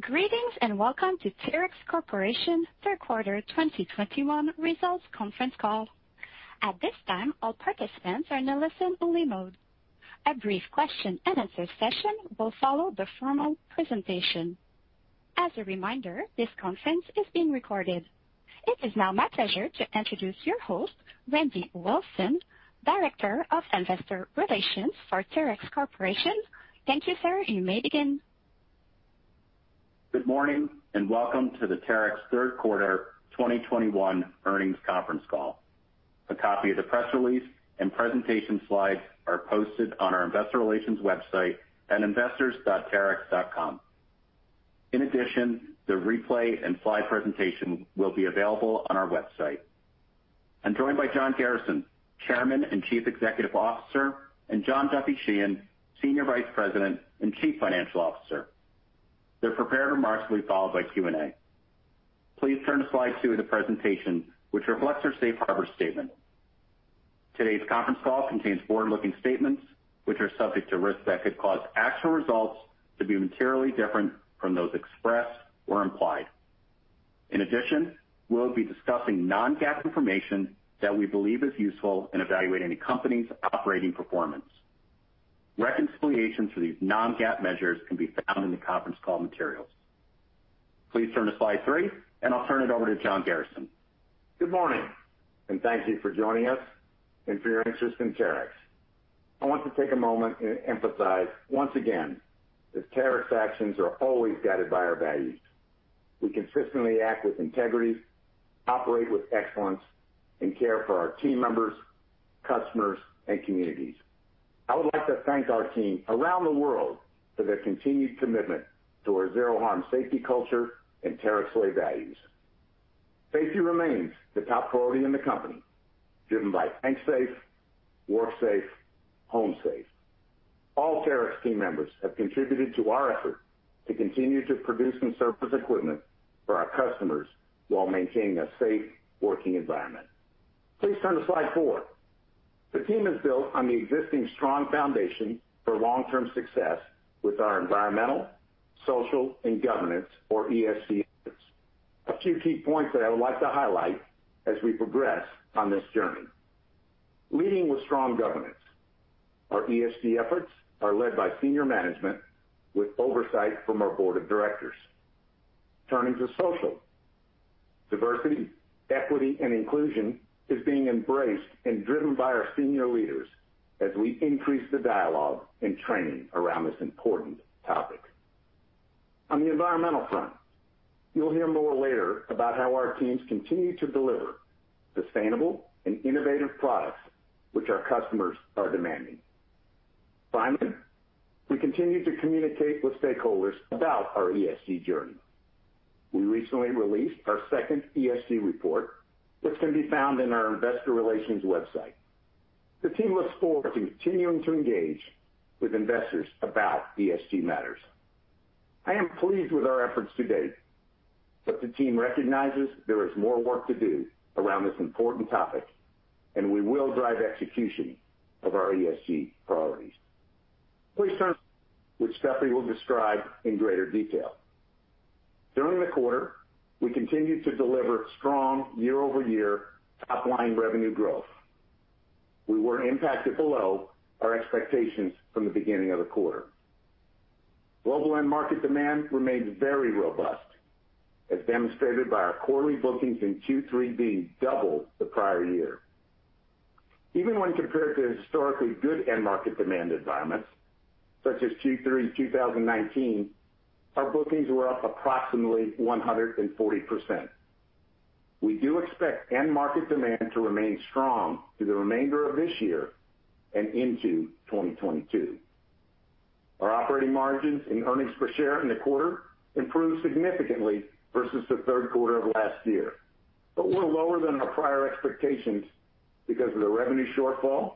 Greetings, and welcome to Terex Corporation Third Quarter 2021 Results Conference Call. At this time, all participants are in a listen-only mode. A brief question-and-answer session will follow the formal presentation. As a reminder, this conference is being recorded. It is now my pleasure to introduce your host, Randy Wilson, Director of Investor Relations for Terex Corporation. Thank you, sir. You may begin. Good morning, and welcome to the Terex Third Quarter 2021 Earnings Conference Call. A copy of the press release and presentation slides are posted on our investor relations website at investors.terex.com. In addition, the replay and slide presentation will be available on our website. I'm joined by John Garrison, Chairman and Chief Executive Officer, and John Duffy Sheehan, Senior Vice President and Chief Financial Officer. Their prepared remarks will be followed by Q&A. Please turn to slide two of the presentation, which reflects our safe harbor statement. Today's conference call contains forward-looking statements which are subject to risks that could cause actual results to be materially different from those expressed or implied. In addition, we'll be discussing non-GAAP information that we believe is useful in evaluating the company's operating performance. Reconciliation for these non-GAAP measures can be found in the conference call materials. Please turn to slide three, and I'll turn it over to John Garrison. Good morning, and thank you for joining us and for your interest in Terex. I want to take a moment and emphasize once again that Terex actions are always guided by our values. We consistently act with integrity, operate with excellence, and care for our team members, customers, and communities. I would like to thank our team around the world for their continued commitment to our Zero Harm safety culture and Terex Way values. Safety remains the top priority in the company, driven by think safe, work safe, home safe. All Terex team members have contributed to our effort to continue to produce and service equipment for our customers while maintaining a safe working environment. Please turn to slide four. The team is built on the existing strong foundation for long-term success with our environmental, social, and governance, or ESG efforts. A few key points that I would like to highlight as we progress on this journey. Leading with strong governance. Our ESG efforts are led by senior management with oversight from our board of directors. Turning to social. Diversity, equity, and inclusion is being embraced and driven by our senior leaders as we increase the dialogue and training around this important topic. On the environmental front, you'll hear more later about how our teams continue to deliver sustainable and innovative products which our customers are demanding. Finally, we continue to communicate with stakeholders about our ESG journey. We recently released our second ESG report, which can be found in our investor relations website. The team looks forward to continuing to engage with investors about ESG matters. I am pleased with our efforts to date, but the team recognizes there is more work to do around this important topic, and we will drive execution of our ESG priorities. Please turn, which Duffy will describe in greater detail. During the quarter, we continued to deliver strong year-over-year top-line revenue growth. We were impacted below our expectations from the beginning of the quarter. Global end market demand remains very robust, as demonstrated by our quarterly bookings in Q3 being double the prior year. Even when compared to historically good end market demand environments, such as Q3 2019, our bookings were up approximately 140%. We do expect end market demand to remain strong through the remainder of this year and into 2022. Our operating margins and earnings per share in the quarter improved significantly versus the third quarter of last year, but were lower than our prior expectations because of the revenue shortfall,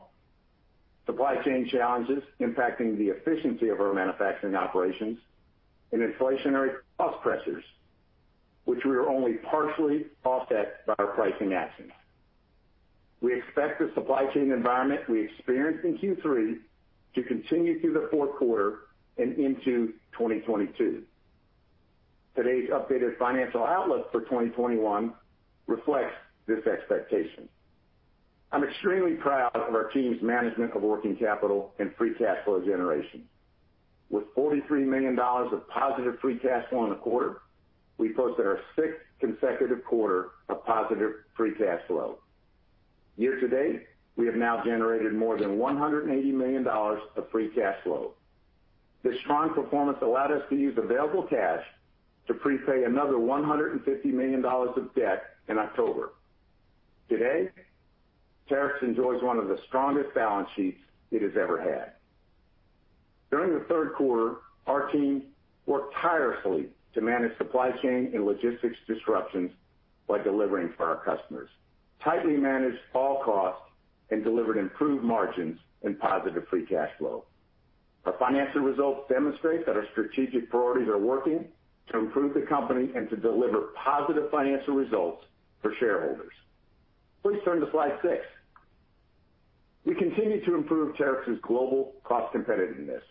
supply chain challenges impacting the efficiency of our manufacturing operations, and inflationary cost pressures, which we are only partially offset by our pricing actions. We expect the supply chain environment we experienced in Q3 to continue through the fourth quarter and into 2022. Today's updated financial outlook for 2021 reflects this expectation. I'm extremely proud of our team's management of working capital and free cash flow generation. With $43 million of positive free cash flow in the quarter, we posted our sixth consecutive quarter of positive free cash flow. Year to date, we have now generated more than $180 million of free cash flow. This strong performance allowed us to use available cash to prepay another $150 million of debt in October. Today, Terex enjoys one of the strongest balance sheets it has ever had. During the third quarter, our team worked tirelessly to manage supply chain and logistics disruptions while delivering for our customers, tightly managed all costs, and delivered improved margins and positive free cash flow. Our financial results demonstrate that our strategic priorities are working to improve the company and to deliver positive financial results for shareholders. Please turn to slide six. We continue to improve Terex's global cost competitiveness.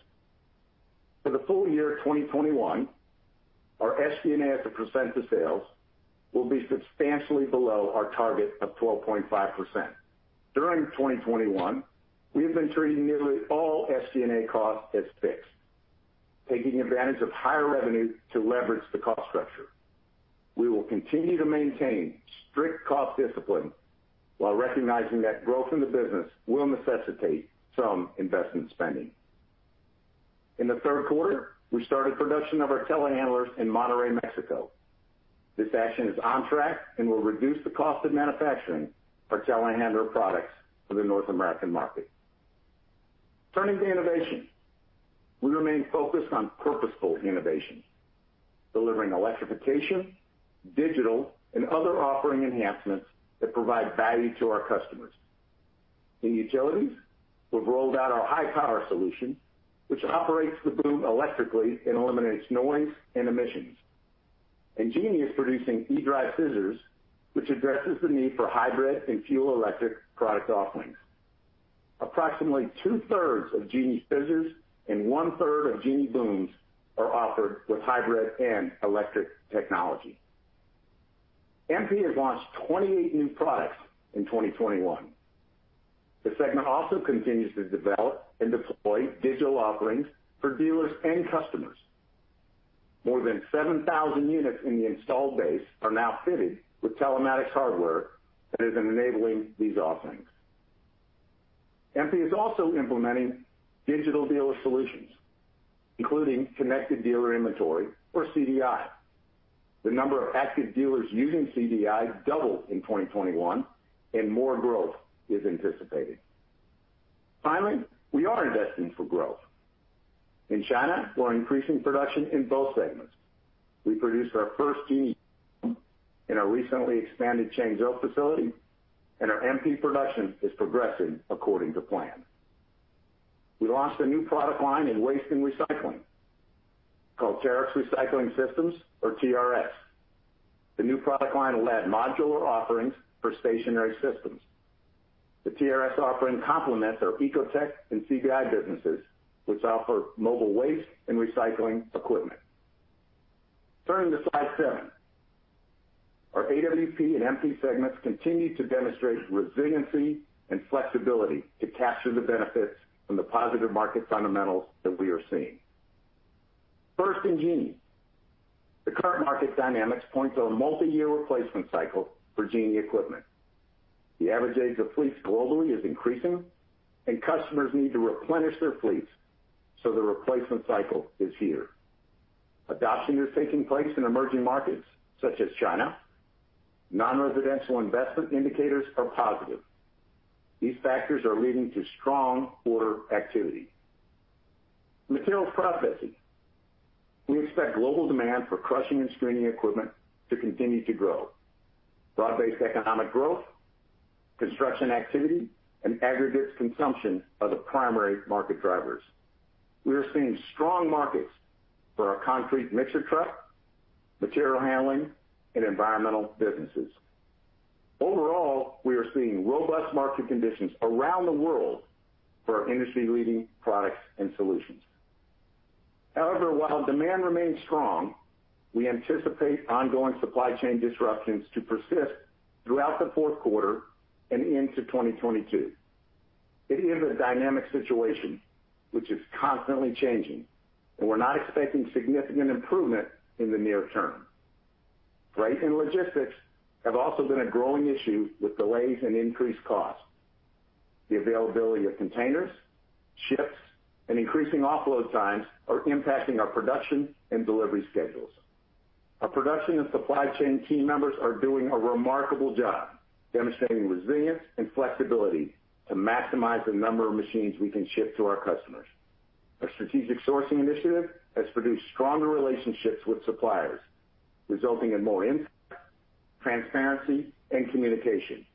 For the full year 2021, our SG&A as a % of sales will be substantially below our target of 12.5%. During 2021, we have been treating nearly all SG&A costs as fixed, taking advantage of higher revenue to leverage the cost structure. We will continue to maintain strict cost discipline while recognizing that growth in the business will necessitate some investment spending. In the third quarter, we started production of our telehandlers in Monterrey, Mexico. This action is on track and will reduce the cost of manufacturing our telehandler products for the North American market. Turning to innovation. We remain focused on purposeful innovation, delivering electrification, digital, and other offering enhancements that provide value to our customers. In utilities, we've rolled out our HyPower solution, which operates the boom electrically and eliminates noise and emissions. Genie is producing E-Drive scissors, which addresses the need for hybrid and fuel electric product offerings. Approximately 2/3 of Genie scissors and 1/3 of Genie booms are offered with hybrid and electric technology. MP has launched 28 new products in 2021. The segment also continues to develop and deploy digital offerings for dealers and customers. More than 7,000 units in the installed base are now fitted with telematics hardware that is enabling these offerings. MP is also implementing digital dealer solutions, including Connected Dealer Inventory or CDI. The number of active dealers using CDI doubled in 2021, and more growth is anticipated. Finally, we are investing for growth. In China, we're increasing production in both segments. We produced our first Genie in our recently expanded Changzhou facility, and our MP production is progressing according to plan. We launched a new product line in waste and recycling called Terex Recycling Systems or TRS. The new product line will add modular offerings for stationary systems. The TRS offering complements our Ecotec and CBI businesses, which offer mobile waste and recycling equipment. Turning to slide seven. Our AWP and MP segments continue to demonstrate resiliency and flexibility to capture the benefits from the positive market fundamentals that we are seeing. First in Genie. The current market dynamics points to a multi-year replacement cycle for Genie equipment. The average age of fleets globally is increasing, and customers need to replenish their fleets, so the replacement cycle is here. Adoption is taking place in emerging markets such as China. Non-residential investment indicators are positive. These factors are leading to strong order activity. Materials Processing. We expect global demand for crushing and screening equipment to continue to grow. Broad-based economic growth, construction activity, and aggregates consumption are the primary market drivers. We are seeing strong markets for our concrete mixer truck, material handling, and environmental businesses. Overall, we are seeing robust market conditions around the world for our industry-leading products and solutions. However, while demand remains strong, we anticipate ongoing supply chain disruptions to persist throughout the fourth quarter and into 2022. It is a dynamic situation which is constantly changing, and we're not expecting significant improvement in the near term. Freight and logistics have also been a growing issue with delays and increased costs. The availability of containers, ships, and increasing offload times are impacting our production and delivery schedules. Our production and supply chain team members are doing a remarkable job demonstrating resilience and flexibility to maximize the number of machines we can ship to our customers. Our strategic sourcing initiative has produced stronger relationships with suppliers, resulting in more input, transparency, and communication.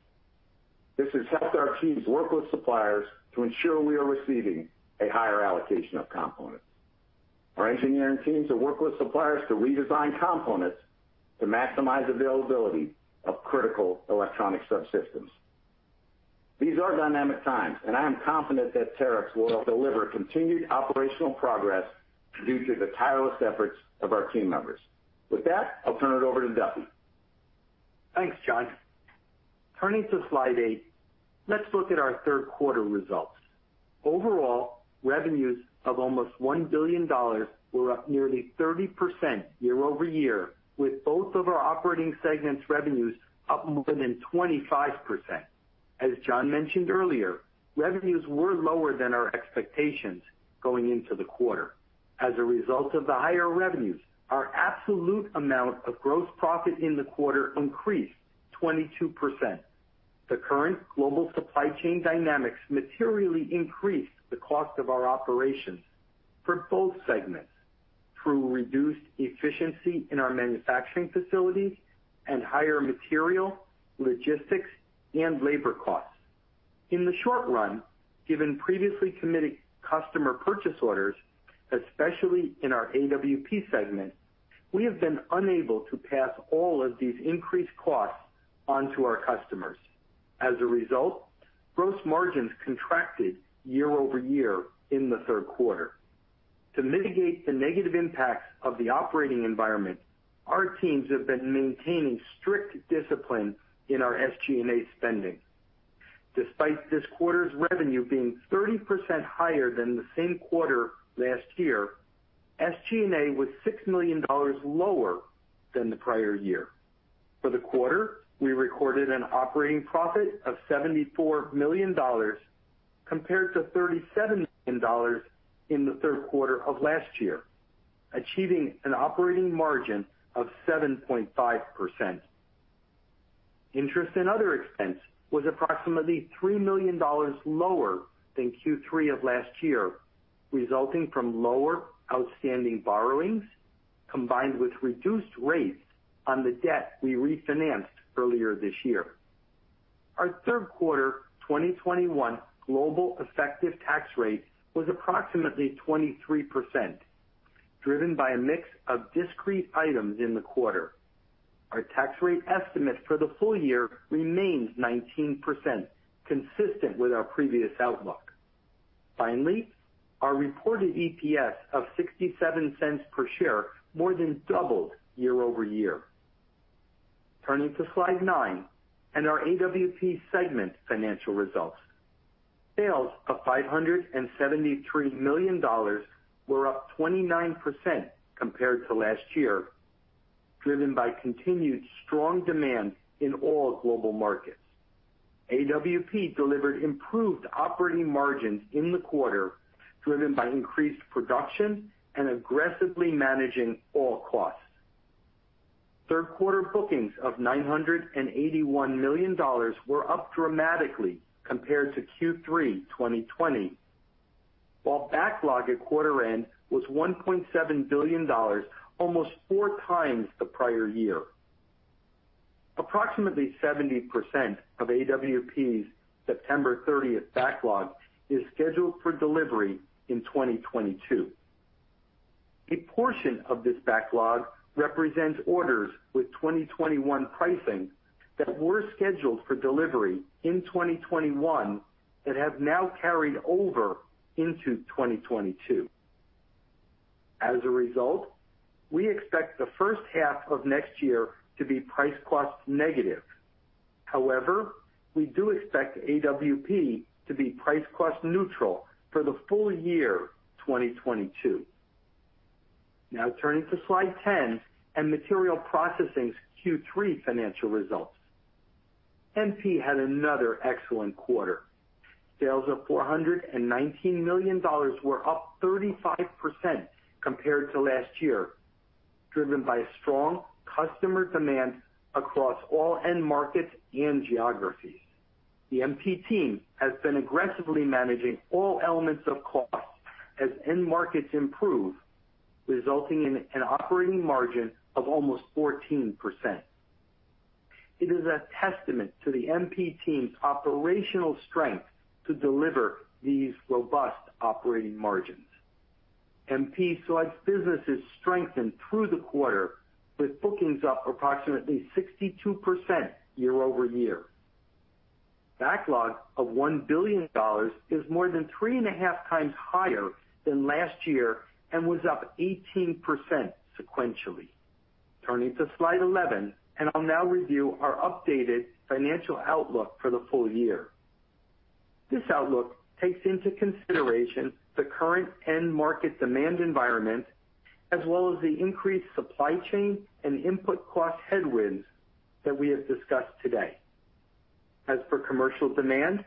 This has helped our teams work with suppliers to ensure we are receiving a higher allocation of components. Our engineering teams have worked with suppliers to redesign components to maximize availability of critical electronic subsystems. These are dynamic times, and I am confident that Terex will deliver continued operational progress due to the tireless efforts of our team members. With that, I'll turn it over to Duffy. Thanks, John. Turning to slide eight, let's look at our third quarter results. Overall, revenues of almost $1 billion were up nearly 30% year-over-year, with both of our operating segments revenues up more than 25%. As John mentioned earlier, revenues were lower than our expectations going into the quarter. As a result of the higher revenues, our absolute amount of gross profit in the quarter increased 22%. The current global supply chain dynamics materially increased the cost of our operations for both segments through reduced efficiency in our manufacturing facilities and higher material, logistics, and labor costs. In the short run, given previously committed customer purchase orders, especially in our AWP segment, we have been unable to pass all of these increased costs on to our customers. As a result, gross margins contracted year-over-year in the third quarter. To mitigate the negative impacts of the operating environment, our teams have been maintaining strict discipline in our SG&A spending. Despite this quarter's revenue being 30% higher than the same quarter last year, SG&A was $6 million lower than the prior year. For the quarter, we recorded an operating profit of $74 million compared to $37 million in the third quarter of last year, achieving an operating margin of 7.5%. Interest and other expense was approximately $3 million lower than Q3 of last year, resulting from lower outstanding borrowings combined with reduced rates on the debt we refinanced earlier this year. Our third quarter 2021 global effective tax rate was approximately 23%, driven by a mix of discrete items in the quarter. Our tax rate estimate for the full year remains 19%, consistent with our previous outlook. Finally, our reported EPS of $0.67 per share more than doubled year-over-year. Turning to slide nine and our AWP segment financial results. Sales of $573 million were up 29% compared to last year, driven by continued strong demand in all global markets. AWP delivered improved operating margins in the quarter, driven by increased production and aggressively managing all costs. Third quarter bookings of $981 million were up dramatically compared to Q3 2020, while backlog at quarter end was $1.7 billion, almost four times the prior year. Approximately 70% of AWP's September 30th backlog is scheduled for delivery in 2022. A portion of this backlog represents orders with 2021 pricing that were scheduled for delivery in 2021 that have now carried over into 2022. As a result, we expect the first half of next year to be price cost negative. However, we do expect AWP to be price cost neutral for the full year 2022. Now turning to slide 10 and Materials Processing's Q3 financial results. MP had another excellent quarter. Sales of $419 million were up 35% compared to last year, driven by strong customer demand across all end markets and geographies. The MP team has been aggressively managing all elements of cost as end markets improve, resulting in an operating margin of almost 14%. It is a testament to the MP team's operational strength to deliver these robust operating margins. MP saw its businesses strengthen through the quarter, with bookings up approximately 62% year-over-year. Backlog of $1 billion is more than 3.5 times higher than last year and was up 18% sequentially. Turning to slide 11, I'll now review our updated financial outlook for the full year. This outlook takes into consideration the current end market demand environment as well as the increased supply chain and input cost headwinds that we have discussed today. As for commercial demand,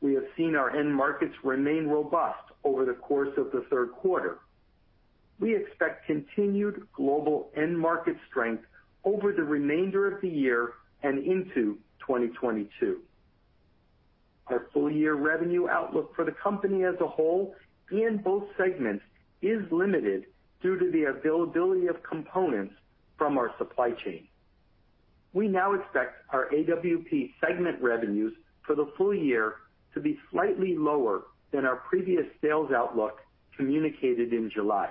we have seen our end markets remain robust over the course of the third quarter. We expect continued global end market strength over the remainder of the year and into 2022. Our full year revenue outlook for the company as a whole in both segments is limited due to the availability of components from our supply chain. We now expect our AWP segment revenues for the full year to be slightly lower than our previous sales outlook communicated in July.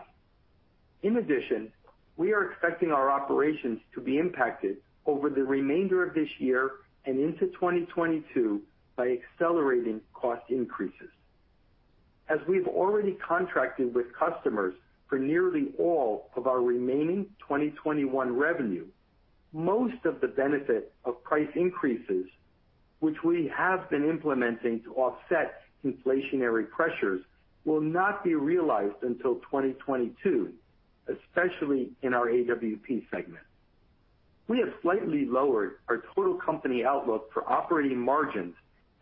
In addition, we are expecting our operations to be impacted over the remainder of this year and into 2022 by accelerating cost increases. As we've already contracted with customers for nearly all of our remaining 2021 revenue, most of the benefit of price increases which we have been implementing to offset inflationary pressures will not be realized until 2022, especially in our AWP segment. We have slightly lowered our total company outlook for operating margins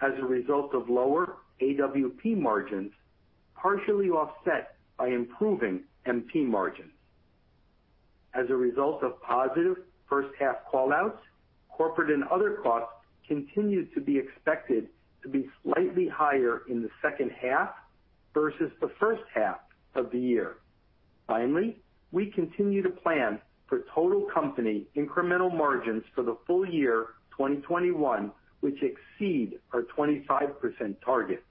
as a result of lower AWP margins, partially offset by improving MP margins. As a result of positive first half call outs, corporate and other costs continue to be expected to be slightly higher in the second half versus the first half of the year. Finally, we continue to plan for total company incremental margins for the full year 2021, which exceed our 25% target.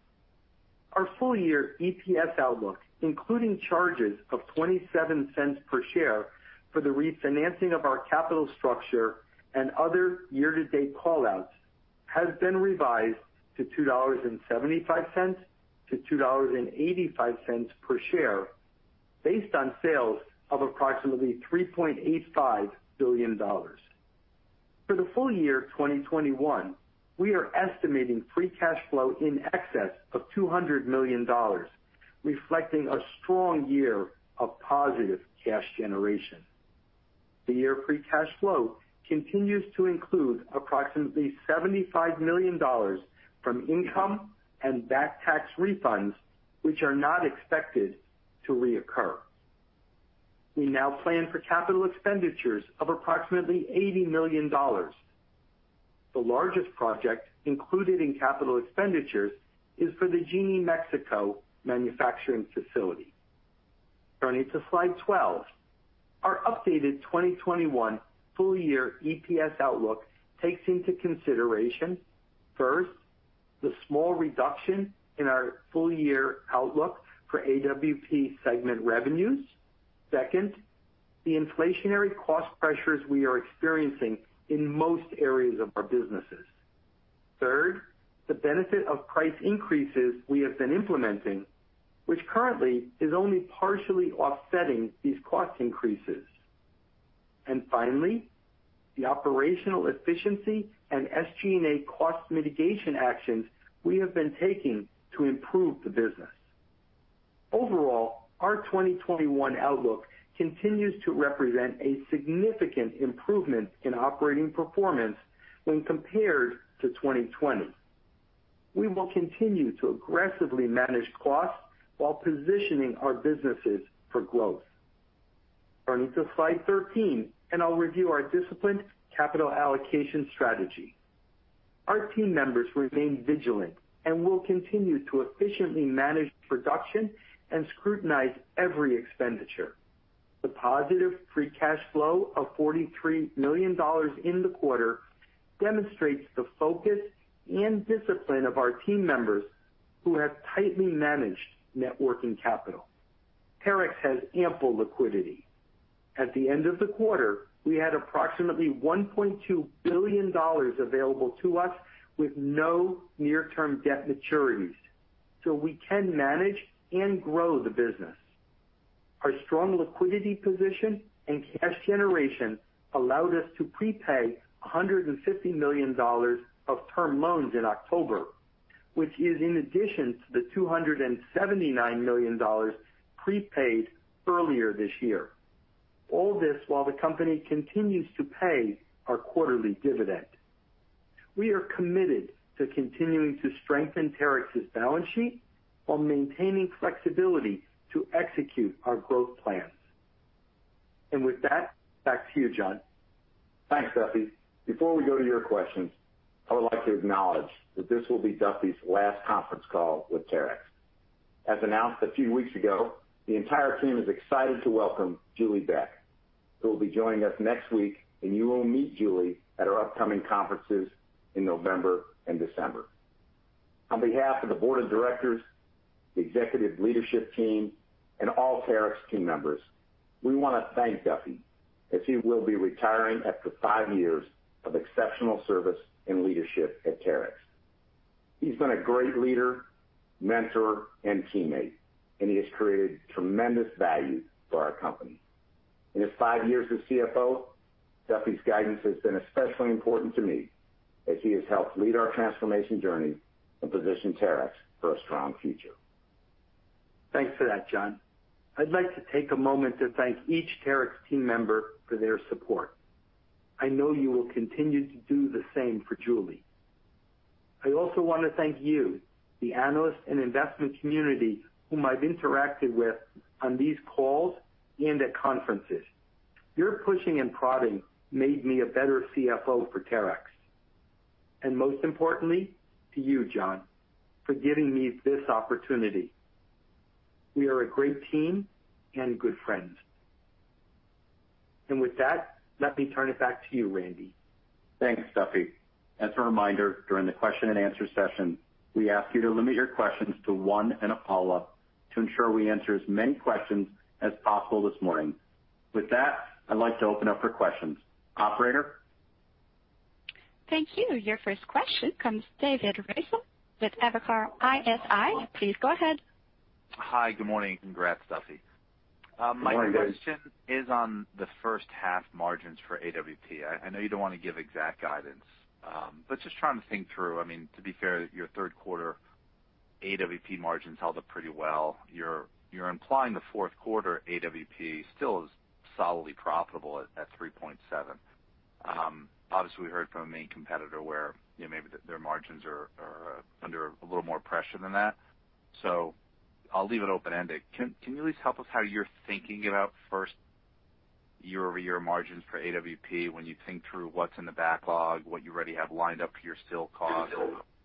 Our full year EPS outlook, including charges of $0.27 per share for the refinancing of our capital structure and other year-to-date call-outs, has been revised to $2.75-$2.85 per share based on sales of approximately $3.85 billion. For the full year 2021, we are estimating free cash flow in excess of $200 million, reflecting a strong year of positive cash generation. This year's free cash flow continues to include approximately $75 million from income and back tax refunds, which are not expected to recur. We now plan for capital expenditures of approximately $80 million. The largest project included in capital expenditures is for the Genie Mexico manufacturing facility. Turning to slide 12. Our updated 2021 full year EPS outlook takes into consideration, first, the small reduction in our full year outlook for AWP segment revenues. Second, the inflationary cost pressures we are experiencing in most areas of our businesses. Third, the benefit of price increases we have been implementing, which currently is only partially offsetting these cost increases. Finally, the operational efficiency and SG&A cost mitigation actions we have been taking to improve the business. Overall, our 2021 outlook continues to represent a significant improvement in operating performance when compared to 2020. We will continue to aggressively manage costs while positioning our businesses for growth. Turning to slide 13, and I'll review our disciplined capital allocation strategy. Our team members remain vigilant, and we'll continue to efficiently manage production and scrutinize every expenditure. The positive free cash flow of $43 million in the quarter demonstrates the focus and discipline of our team members who have tightly managed net working capital. Terex has ample liquidity. At the end of the quarter, we had approximately $1.2 billion available to us with no near-term debt maturities, so we can manage and grow the business. Our strong liquidity position and cash generation allowed us to prepay $150 million of term loans in October, which is in addition to the $279 million prepaid earlier this year. All this while the company continues to pay our quarterly dividend. We are committed to continuing to strengthen Terex's balance sheet while maintaining flexibility to execute our growth plans. With that, back to you, John. Thanks, Duffy. Before we go to your questions, I would like to acknowledge that this will be Duffy's last conference call with Terex. As announced a few weeks ago, the entire team is excited to welcome Julie Beck, who will be joining us next week, and you will meet Julie at our upcoming conferences in November and December. On behalf of the board of directors, the executive leadership team, and all Terex team members, we wanna thank Duffy as he will be retiring after five years of exceptional service and leadership at Terex. He's been a great leader, mentor, and teammate, and he has created tremendous value for our company. In his five years as CFO, Duffy's guidance has been especially important to me as he has helped lead our transformation journey and position Terex for a strong future. Thanks for that, John. I'd like to take a moment to thank each Terex team member for their support. I know you will continue to do the same for Julie. I also wanna thank you, the analysts and investment community whom I've interacted with on these calls and at conferences. Your pushing and prodding made me a better CFO for Terex. Most importantly, to you, John, for giving me this opportunity. We are a great team and good friends. With that, let me turn it back to you, Randy. Thanks, Duffy. As a reminder, during the question and answer session, we ask you to limit your questions to one and a follow-up to ensure we answer as many questions as possible this morning. With that, I'd like to open up for questions. Operator? Thank you. Your first question comes from David Raso with Evercore ISI. Please go ahead. Hi, good morning. Congrats, Duffy. Good morning, David. My first question is on the first half margins for AWP. I know you don't wanna give exact guidance, but just trying to think through. I mean, to be fair, your third quarter AWP margins held up pretty well. You're implying the fourth quarter AWP still is solidly profitable at 3.7%. Obviously we heard from a main competitor where, you know, maybe their margins are under a little more pressure than that. I'll leave it open-ended. Can you at least help us how you're thinking about first-half year-over-year margins for AWP, when you think through what's in the backlog, what you already have lined up to your steel cost,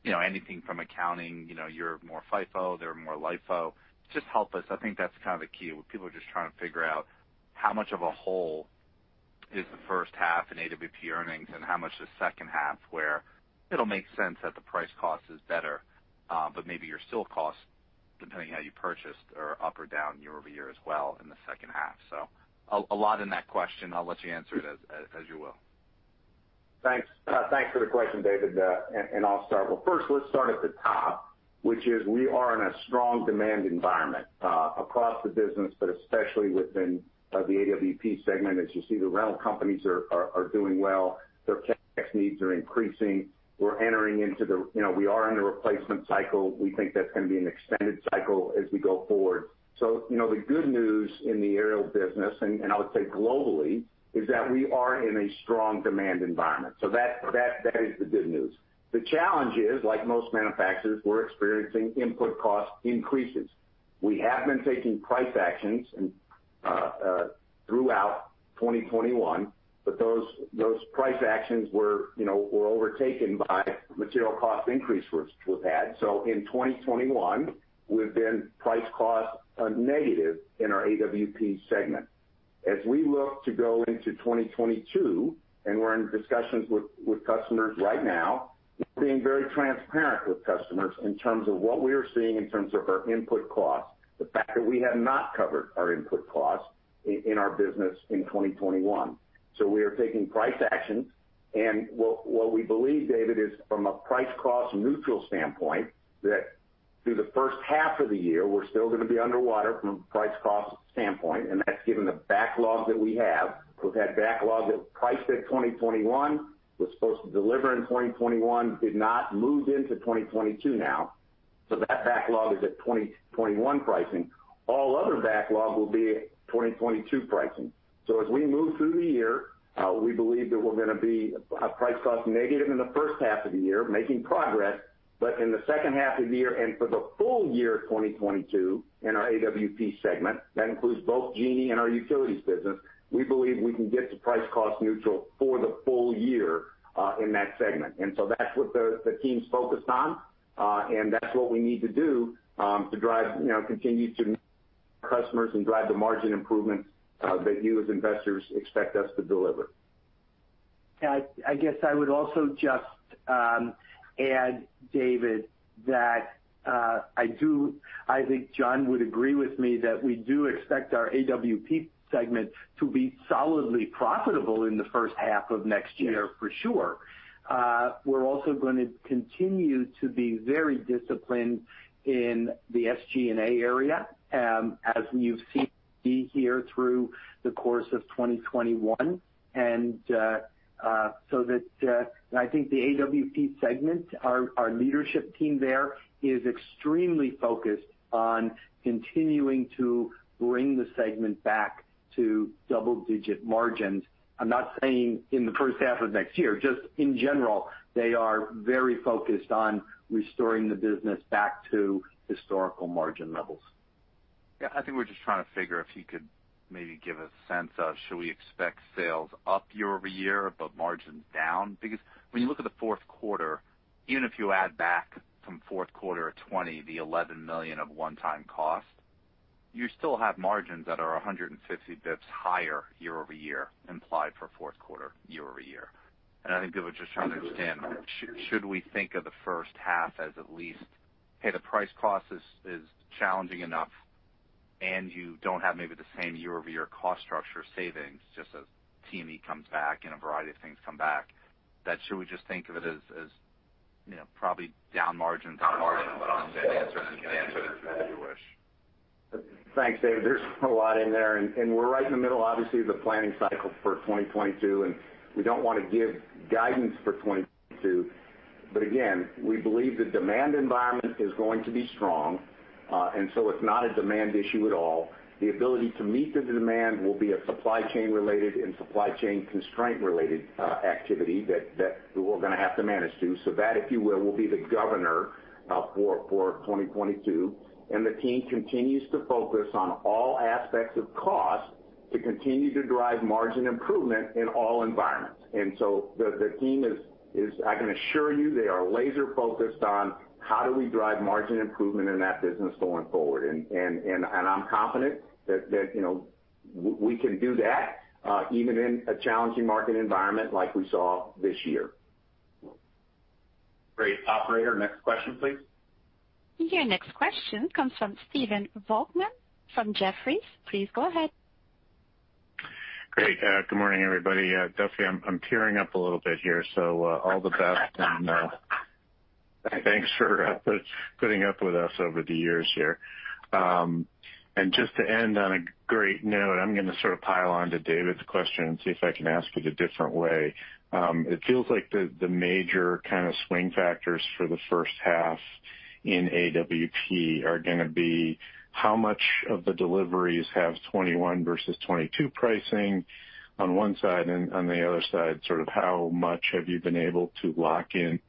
you know, anything from accounting, you know, you're more FIFO, they're more LIFO. Just help us. I think that's kind of the key. People are just trying to figure out how much of a hole is the first half in AWP earnings and how much the second half, where it'll make sense that the price cost is better, but maybe your steel costs, depending on how you purchased, are up or down year-over-year as well in the second half. A lot in that question. I'll let you answer it as you will. Thanks. Thanks for the question, David. I'll start. Well, first let's start at the top, which is we are in a strong demand environment across the business, but especially within the AWP segment. As you see, the rental companies are doing well. Their CapEx needs are increasing. We're entering into the, you know, we are in a replacement cycle. We think that's gonna be an extended cycle as we go forward. You know, the good news in the aerial business, and I would say globally, is that we are in a strong demand environment. That is the good news. The challenge is, like most manufacturers, we're experiencing input cost increases. We have been taking price actions throughout 2021, but those price actions were, you know, overtaken by material cost increase we've had. In 2021, we've been price-cost negative in our AWP segment. As we look to go into 2022, we're in discussions with customers right now, we're being very transparent with customers in terms of what we are seeing in terms of our input costs, the fact that we have not covered our input costs in our business in 2021. We are taking price actions. What we believe, David, is from a price-cost neutral standpoint, that through the first half of the year, we're still gonna be underwater from a price-cost standpoint, and that's given the backlog that we have. We've had backlog that priced at 2021, was supposed to deliver in 2021, did not, moved into 2022 now. That backlog is at 2021 pricing. All other backlog will be 2022 pricing. As we move through the year, we believe that we're gonna be a price-cost negative in the first half of the year, making progress. In the second half of the year and for the full year of 2022 in our AWP segment, that includes both Genie and our utilities business, we believe we can get to price-cost neutral for the full year, in that segment. That's what the team's focused on, and that's what we need to do, to drive, you know, continue to customers and drive the margin improvements, that you as investors expect us to deliver. I guess I would also just add, David, that I think John would agree with me that we do expect our AWP segment to be solidly profitable in the first half of next year. Yes. For sure. We're also gonna continue to be very disciplined in the SG&A area, as you've seen here through the course of 2021. I think the AWP segment, our leadership team there is extremely focused on continuing to bring the segment back to double digit margins. I'm not saying in the first half of next year, just in general, they are very focused on restoring the business back to historical margin levels. Yeah. I think we're just trying to figure if you could maybe give a sense of should we expect sales up year-over-year, but margins down. Because when you look at the fourth quarter, even if you add back from fourth quarter of 2020 the $11 million of one-time cost, you still have margins that are 150 bps higher year-over-year implied for fourth quarter year-over-year. I think it was just trying to understand should we think of the first half as at least, hey, the price cost is challenging enough, and you don't have maybe the same year-over-year cost structure savings just as T&E comes back and a variety of things come back. That should we just think of it as, you know, probably down margins on margin, but I'll let Dan answer that if you wish. Thanks, David. There's a lot in there, and we're right in the middle, obviously, of the planning cycle for 2022, and we don't wanna give guidance for 2022. Again, we believe the demand environment is going to be strong, and so it's not a demand issue at all. The ability to meet the demand will be a supply chain related and supply chain constraint related activity that we're gonna have to manage to. That, if you will be the governor for 2022. The team continues to focus on all aspects of cost to continue to drive margin improvement in all environments. The team is, I can assure you, laser focused on how do we drive margin improvement in that business going forward. I'm confident that you know we can do that even in a challenging market environment like we saw this year. Great. Operator, next question, please. Your next question comes from Stephen Volkmann from Jefferies. Please go ahead. Great. Good morning, everybody. Duffy, I'm tearing up a little bit here, so all the best. Thanks for putting up with us over the years here. Just to end on a great note, I'm gonna sort of pile on to David's question and see if I can ask it a different way. It feels like the major kind of swing factors for the first half in AWP are gonna be how much of the deliveries have 2021 versus 2022 pricing on one side, and on the other side, sort of how much have you been able to lock in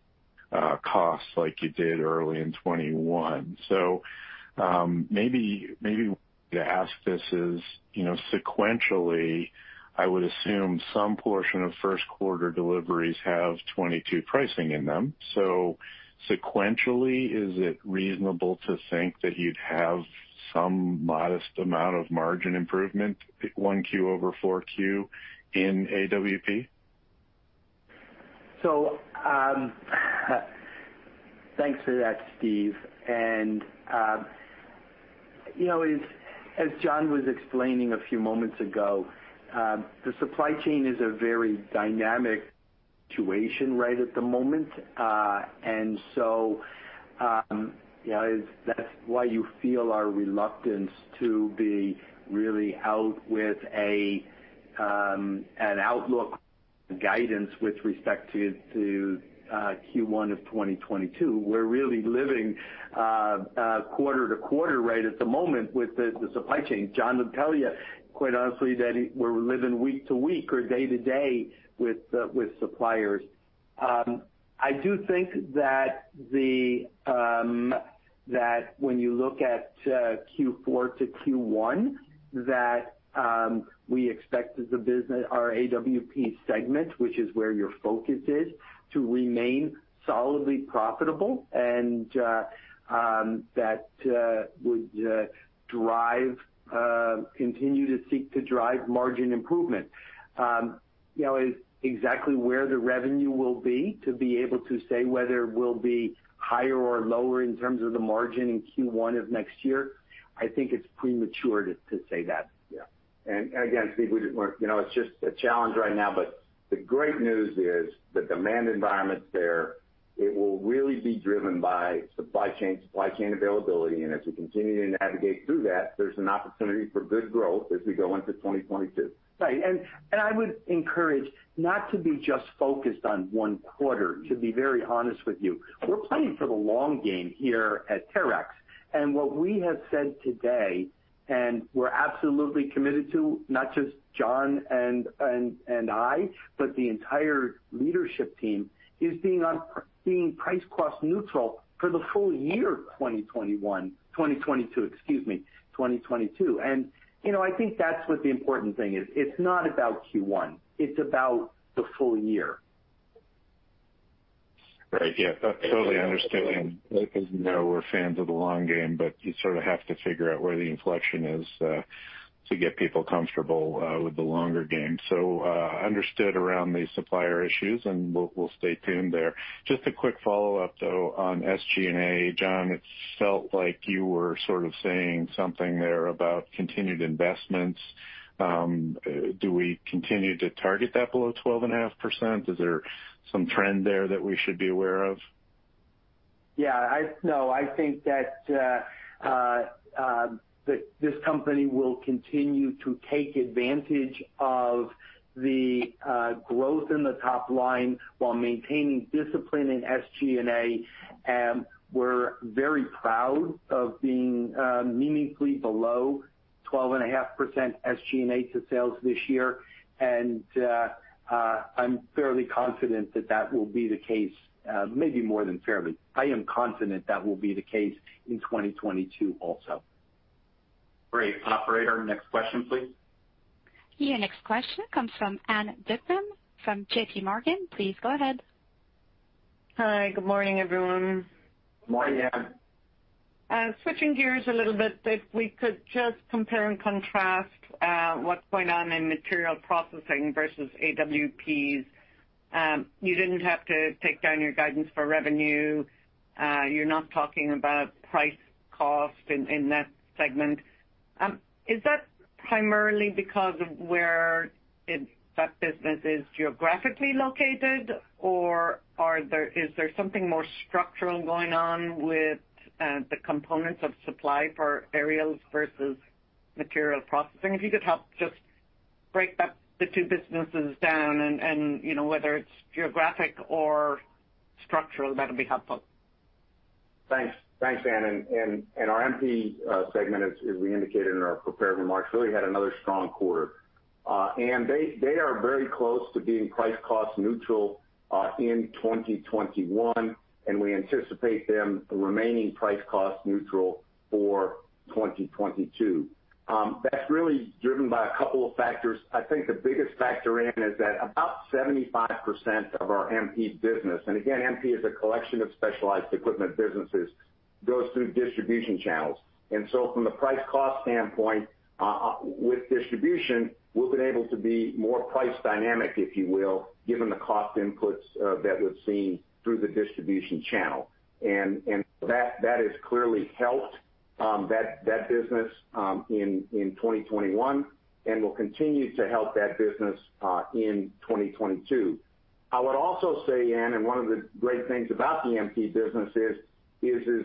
costs like you did early in 2021. Maybe to ask this is, you know, sequentially, I would assume some portion of first quarter deliveries have 2022 pricing in them. Sequentially, is it reasonable to think that you'd have some modest amount of margin improvement at 1Q over 4Q in AWP? Thanks for that, Steve. You know, as John was explaining a few moments ago, the supply chain is a very dynamic situation right at the moment. You know, that's why you feel our reluctance to be really out with an outlook guidance with respect to Q1 of 2022. We're really living quarter to quarter right at the moment with the supply chain. John would tell you, quite honestly, that we're living week to week or day to day with suppliers. I do think that when you look at Q4 to Q1, we expect as a business our AWP segment, which is where your focus is, to remain solidly profitable and that would continue to seek to drive margin improvement. You know, exactly where the revenue will be to be able to say whether it will be higher or lower in terms of the margin in Q1 of next year, I think it's premature to say that. Yeah. Again, Duffy, you know, it's just a challenge right now, but the great news is the demand environment's there. It will really be driven by supply chain availability. As we continue to navigate through that, there's an opportunity for good growth as we go into 2022. Right. I would encourage not to be just focused on one quarter, to be very honest with you. We're playing for the long game here at Terex. What we have said today, and we're absolutely committed to, not just John and I, but the entire leadership team, is being price-cost neutral for the full year 2021, 2022, excuse me, 2022. You know, I think that's what the important thing is. It's not about Q1, it's about the full year. Right. Yeah. Totally understand. As you know, we're fans of the long game, but you sort of have to figure out where the inflection is to get people comfortable with the longer game. Understood around the supplier issues, and we'll stay tuned there. Just a quick follow-up, though, on SG&A. John, it felt like you were sort of saying something there about continued investments. Do we continue to target that below 12.5%? Is there some trend there that we should be aware of? Yeah. No, I think that this company will continue to take advantage of the growth in the top line while maintaining discipline in SG&A. We're very proud of being meaningfully below 12.5% SG&A to sales this year. I'm fairly confident that will be the case, maybe more than fairly. I am confident that will be the case in 2022 also. Great. Operator, next question, please. Your next question comes from Ann Duignan from JPMorgan. Please go ahead. Hi. Good morning, everyone. Good morning, Ann. Switching gears a little bit, if we could just compare and contrast what's going on in Materials Processing versus AWPs. You didn't have to take down your guidance for revenue. You're not talking about price cost in that segment. Is that primarily because of where that business is geographically located? Or is there something more structural going on with the components of supply for aerials versus Materials Processing? If you could help just break the two businesses down and you know, whether it's geographic or structural, that'll be helpful. Thanks. Thanks, Ann. Our MP segment, as we indicated in our prepared remarks, really had another strong quarter. They are very close to being price cost neutral in 2021, and we anticipate them remaining price cost neutral for 2022. That's really driven by a couple of factors. I think the biggest factor is that about 75% of our MP business, and again, MP is a collection of specialized equipment businesses, goes through distribution channels. From the price cost standpoint with distribution, we've been able to be more price dynamic, if you will, given the cost inputs that we've seen through the distribution channel. That has clearly helped that business in 2021 and will continue to help that business in 2022. I would also say, Ann, one of the great things about the MP business is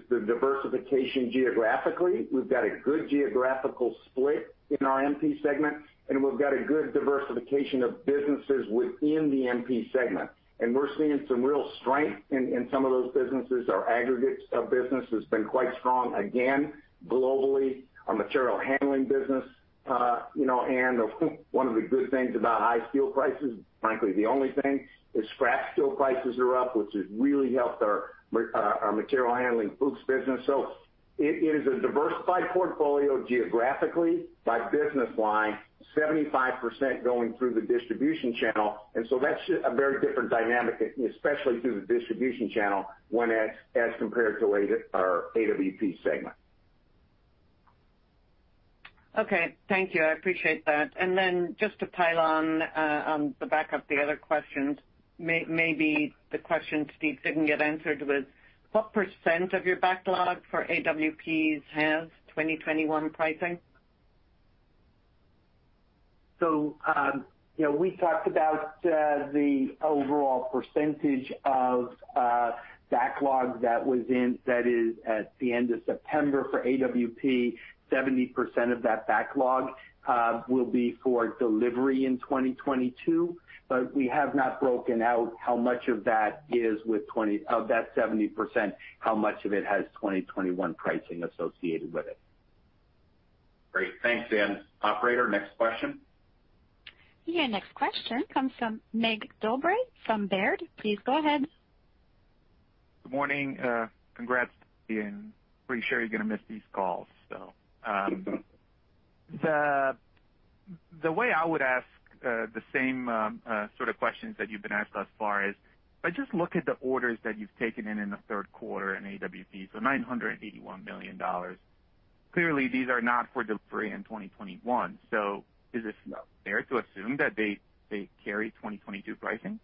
the diversification geographically. We've got a good geographical split in our MP segment, and we've got a good diversification of businesses within the MP segment. We're seeing some real strength in some of those businesses. Our aggregates business has been quite strong, again, globally. Our material handling business, you know, Ann, one of the good things about high steel prices, frankly, the only thing is scrap steel prices are up, which has really helped our material handling business. It is a diversified portfolio geographically by business line, 75% going through the distribution channel. That's a very different dynamic, especially through the distribution channel when, as compared to our AWP segment. Okay. Thank you. I appreciate that. Just to pile on the back of the other questions, maybe the question Steve didn't get answer to was what % of your backlog for AWPs has 2021 pricing? You know, we talked about the overall percentage of backlog that is at the end of September for AWP. 70% of that backlog will be for delivery in 2022, but we have not broken out, of that 70%, how much of it has 2021 pricing associated with it. Great. Thanks, Ann. Operator, next question. Your next question comes from Mig Dobre from Baird. Please go ahead. Good morning. Congrats, Duffy. Pretty sure you're gonna miss these calls. The way I would ask the same sort of questions that you've been asked thus far is if I just look at the orders that you've taken in the third quarter in AWP, so $981 million. Clearly, these are not for delivery in 2021. Is it fair to assume that they carry 2022 pricing?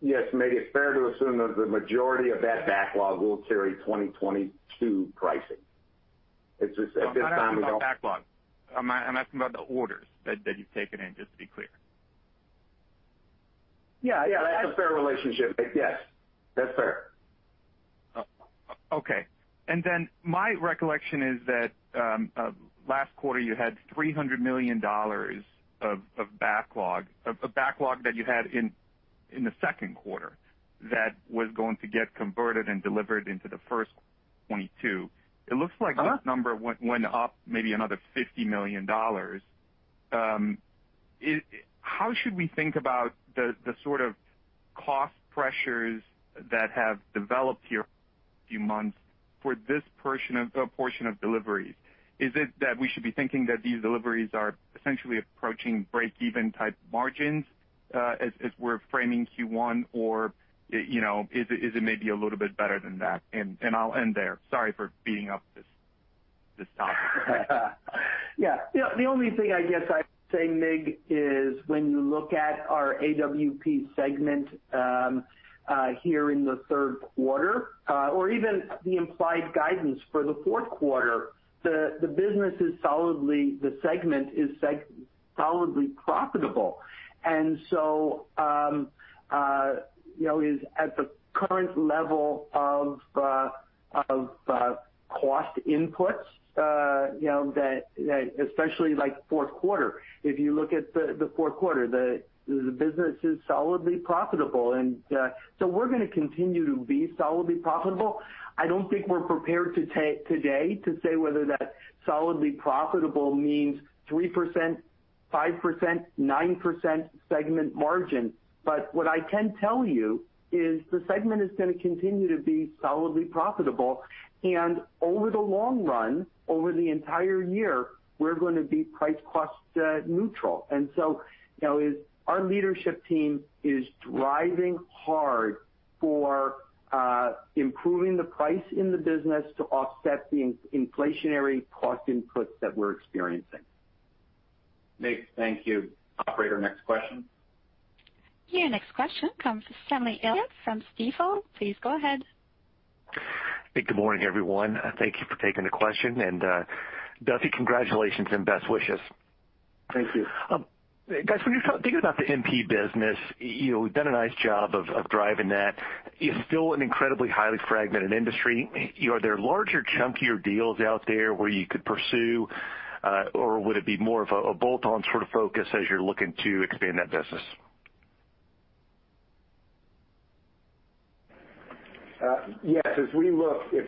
Yes, Mig, it's fair to assume that the majority of that backlog will carry 2022 pricing. It's just at this time, we don't- I'm not asking about backlog. I'm asking about the orders that you've taken in, just to be clear. Yeah. Yeah. That's a fair relationship, Mig. Yes, that's fair. Okay. My recollection is that last quarter, you had $300 million of backlog that you had in the second quarter that was going to get converted and delivered into Q1 2022. It looks like this number went up maybe another $50 million. How should we think about the sort of cost pressures that have developed here a few months for this portion of deliveries? Is it that we should be thinking that these deliveries are essentially approaching break-even type margins as we're framing Q1? Or, you know, is it maybe a little bit better than that? I'll end there. Sorry for beating up this topic. Yeah. The only thing I guess I'd say, Mig, is when you look at our AWP segment here in the third quarter or even the implied guidance for the fourth quarter, the business is solidly profitable. The segment is solidly profitable. You know, it is at the current level of cost inputs, you know, that especially like fourth quarter. If you look at the fourth quarter, the business is solidly profitable. We're gonna continue to be solidly profitable. I don't think we're prepared to take today to say whether that solidly profitable means 3%, 5%, 9% segment margin. What I can tell you is the segment is gonna continue to be solidly profitable. Over the long run, over the entire year, we're gonna be price cost neutral. You know, our leadership team is driving hard for improving the pricing in the business to offset the inflationary cost inputs that we're experiencing. Mig, thank you. Operator, next question. Your next question comes from Stanley Elliott from Stifel. Please go ahead. Hey, good morning, everyone. Thank you for taking the question. Duffy, congratulations and best wishes. Thank you. Guys, when you start thinking about the MP business, you've done a nice job of driving that. It's still an incredibly highly fragmented industry. Are there larger, chunkier deals out there where you could pursue, or would it be more of a bolt-on sort of focus as you're looking to expand that business? Yes, if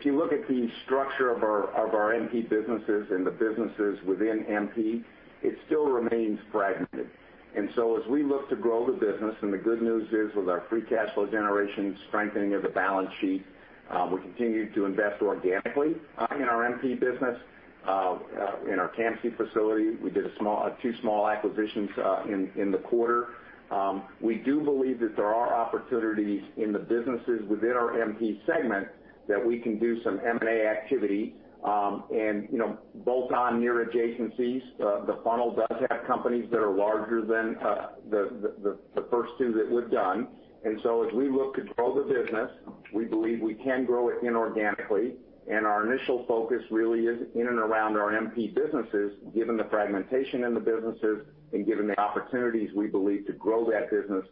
you look at the structure of our MP businesses and the businesses within MP, it still remains fragmented. As we look to grow the business, the good news is with our free cash flow generation, strengthening of the balance sheet, we continue to invest organically in our MP business in our Campsie facility. We did two small acquisitions in the quarter. We do believe that there are opportunities in the businesses within our MP segment that we can do some M&A activity, and, you know, bolt on near adjacencies. The funnel does have companies that are larger than the first two that we've done. As we look to grow the business, we believe we can grow it inorganically. Our initial focus really is in and around our MP businesses, given the fragmentation in the businesses and given the opportunities we believe to grow that business,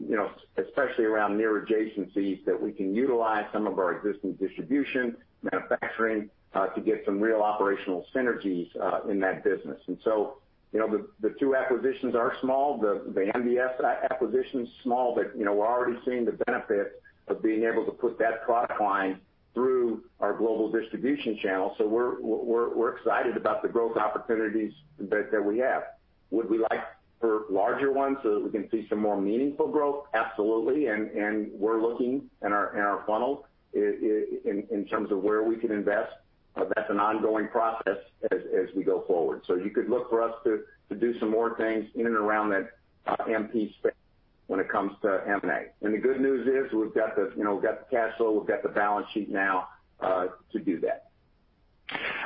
you know, especially around near adjacencies that we can utilize some of our existing distribution, manufacturing, to get some real operational synergies, in that business. You know, the two acquisitions are small. The MDS acquisition is small, but, you know, we're already seeing the benefit of being able to put that product line through our global distribution channel. We're excited about the growth opportunities that we have. Would we like for larger ones so that we can see some more meaningful growth? Absolutely. We're looking in our funnel in terms of where we can invest, but that's an ongoing process as we go forward. You could look for us to do some more things in and around that MP space when it comes to M&A. The good news is we've got the cash flow, we've got the balance sheet now to do that.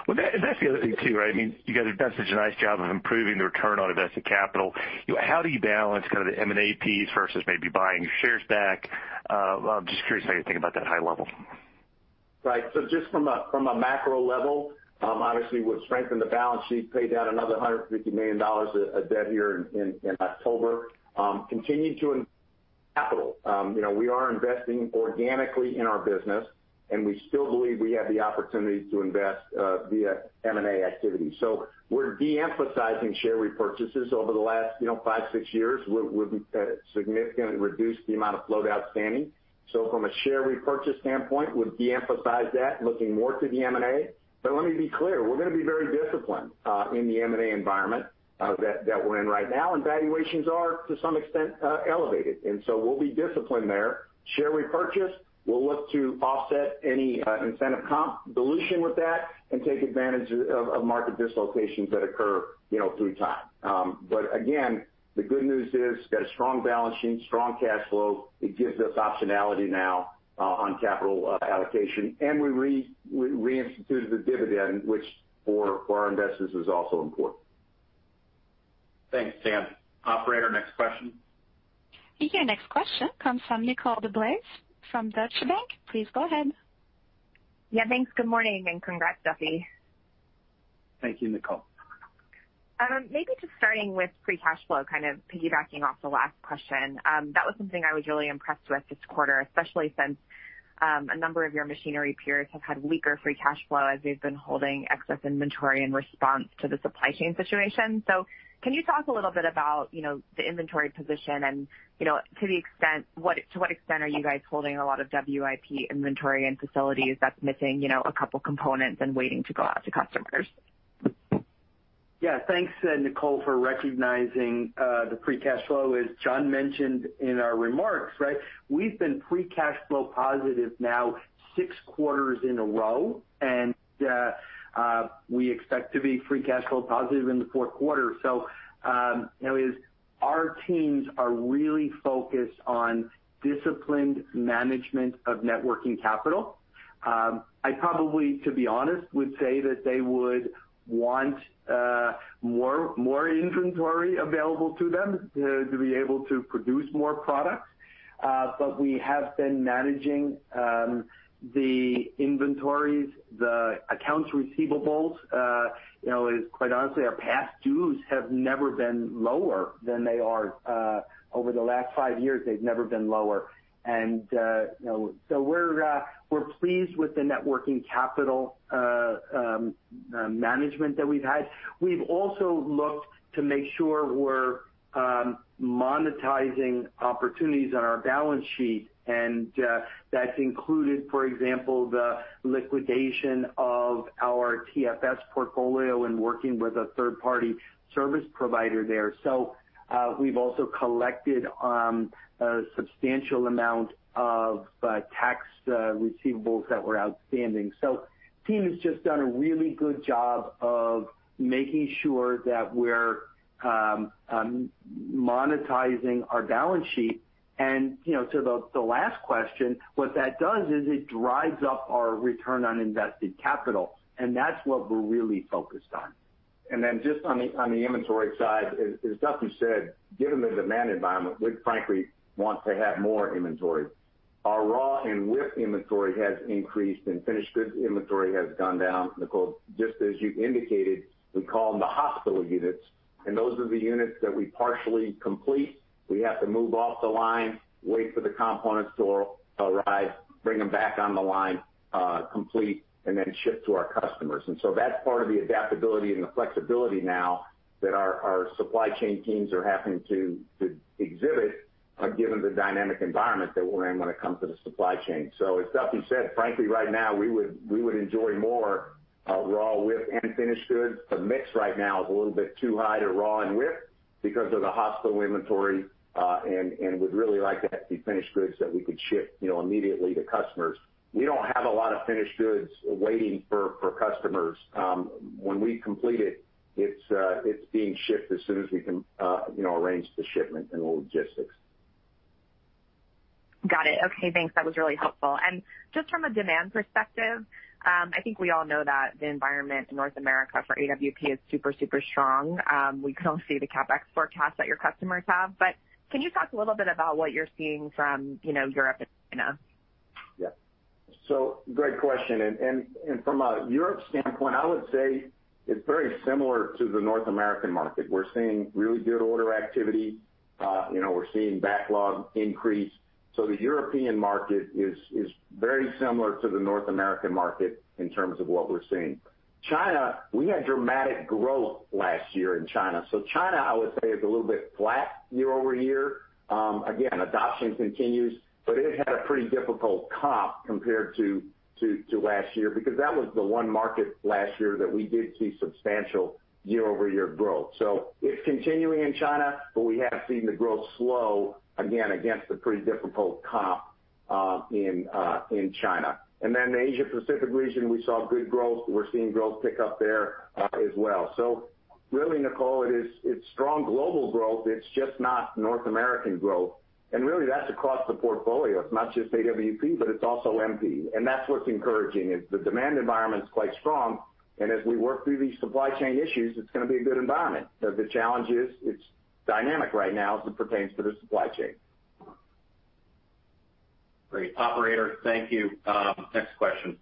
Well, that's the other thing too, right? I mean, you guys have done such a nice job of improving the return on invested capital. How do you balance kind of the M&A piece versus maybe buying shares back? I'm just curious how you think about that high level. Right. Just from a macro level, obviously we've strengthened the balance sheet, paid down another $150 million of debt here in October, continued to capital. You know, we are investing organically in our business, and we still believe we have the opportunity to invest via M&A activity. We're de-emphasizing share repurchases over the last, you know, five, six years. We've significantly reduced the amount of float outstanding. From a share repurchase standpoint, would de-emphasize that, looking more to the M&A. Let me be clear, we're gonna be very disciplined in the M&A environment that we're in right now, and valuations are to some extent elevated, and so we'll be disciplined there. Share repurchase, we'll look to offset any incentive comp dilution with that and take advantage of market dislocations that occur, you know, through time. Again, the good news is we've got a strong balance sheet, strong cash flow. It gives us optionality now on capital allocation. We reinstituted the dividend, which for our investors is also important. Thanks, Stan. Operator, next question. Your next question comes from Nicole DeBlase from Deutsche Bank. Please go ahead. Yeah, thanks. Good morning, and congrats, Duffy. Thank you, Nicole. Maybe just starting with free cash flow, kind of piggybacking off the last question. That was something I was really impressed with this quarter, especially since a number of your machinery peers have had weaker free cash flow as they've been holding excess inventory in response to the supply chain situation. Can you talk a little bit about, you know, the inventory position and, you know, to what extent are you guys holding a lot of WIP inventory and facilities that's missing, you know, a couple components and waiting to go out to customers? Yeah, thanks, Nicole, for recognizing the free cash flow. As John mentioned in our remarks, right? We've been free cash flow positive now six quarters in a row, and we expect to be free cash flow positive in the fourth quarter. You know, as our teams are really focused on disciplined management of net working capital, I probably, to be honest, would say that they would want more inventory available to them to be able to produce more products. But we have been managing the inventories. The accounts receivables, you know, is quite honestly, our past dues have never been lower than they are over the last five years, they've never been lower. You know, so we're pleased with the net working capital management that we've had. We've also looked to make sure we're monetizing opportunities on our balance sheet, and that's included, for example, the liquidation of our TFS portfolio and working with a third-party service provider there. We've also collected a substantial amount of tax receivables that were outstanding. The team has just done a really good job of making sure that we're monetizing our balance sheet. You know, to the last question, what that does is it drives up our return on invested capital, and that's what we're really focused on. Just on the inventory side, as Duffy said, given the demand environment, we frankly want to have more inventory. Our raw and WIP inventory has increased, and finished goods inventory has gone down. Nicole, just as you indicated, we call them the hospital units, and those are the units that we partially complete. We have to move off the line, wait for the components to arrive, bring them back on the line, complete, and then ship to our customers. That's part of the adaptability and the flexibility now that our supply chain teams are having to exhibit, given the dynamic environment that we're in when it comes to the supply chain. As Duffy said, frankly, right now, we would enjoy more raw, WIP, and finished goods. The mix right now is a little bit too high in raw and WIP because of the hospital inventory, and we'd really like to have the finished goods that we could ship, you know, immediately to customers. We don't have a lot of finished goods waiting for customers. When we complete it's being shipped as soon as we can, you know, arrange the shipment and the logistics. Got it. Okay, thanks. That was really helpful. Just from a demand perspective, I think we all know that the environment in North America for AWP is super strong. We can all see the CapEx forecast that your customers have, but can you talk a little bit about what you're seeing from, you know, Europe and China? Yeah. Great question. From a European standpoint, I would say it's very similar to the North American market. We're seeing really good order activity. You know, we're seeing backlog increase. The European market is very similar to the North American market in terms of what we're seeing. China, we had dramatic growth last year in China. China, I would say is a little bit flat year-over-year. Again, adoption continues, but it had a pretty difficult comp compared to last year because that was the one market last year that we did see substantial year-over-year growth. It's continuing in China, but we have seen the growth slow, again, against a pretty difficult comp in China. The Asia Pacific region, we saw good growth. We're seeing growth pick up there, as well. Really, Nicole, it's strong global growth, it's just not North American growth. Really that's across the portfolio. It's not just AWP, but it's also MP. That's what's encouraging is the demand environment is quite strong, and as we work through these supply chain issues, it's gonna be a good environment. The challenge is it's dynamic right now as it pertains to the supply chain. Great. Operator, thank you. Next question.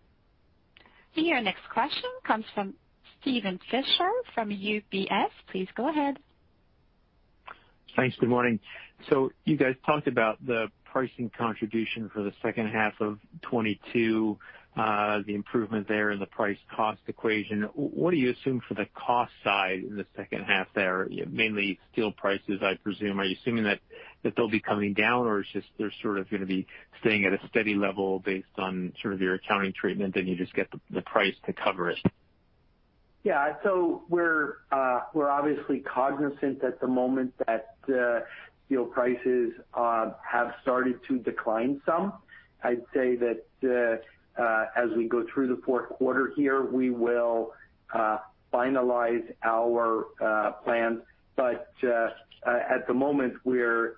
Your next question comes from Steven Fisher from UBS. Please go ahead. Thanks. Good morning. You guys talked about the pricing contribution for the second half of 2022, the improvement there in the price cost equation. What do you assume for the cost side in the second half there, mainly steel prices, I presume. Are you assuming that they'll be coming down, or it's just they're sort of gonna be staying at a steady level based on sort of your accounting treatment, and you just get the price to cover it? Yeah. We're obviously cognizant at the moment that steel prices have started to decline some. I'd say that as we go through the fourth quarter here, we will finalize our plans. At the moment, we're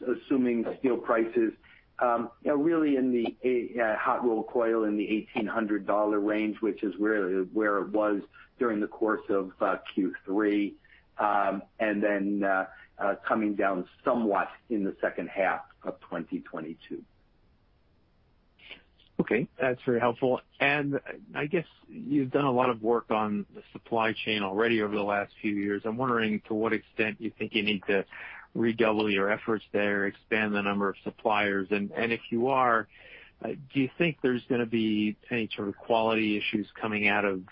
assuming steel prices you know really in the hot rolled coil in the $1,800 range, which is where it was during the course of Q3, and then coming down somewhat in the second half of 2022. Okay, that's very helpful. I guess you've done a lot of work on the supply chain already over the last few years. I'm wondering to what extent you think you need to redouble your efforts there, expand the number of suppliers. If you are, do you think there's gonna be any sort of quality issues coming out of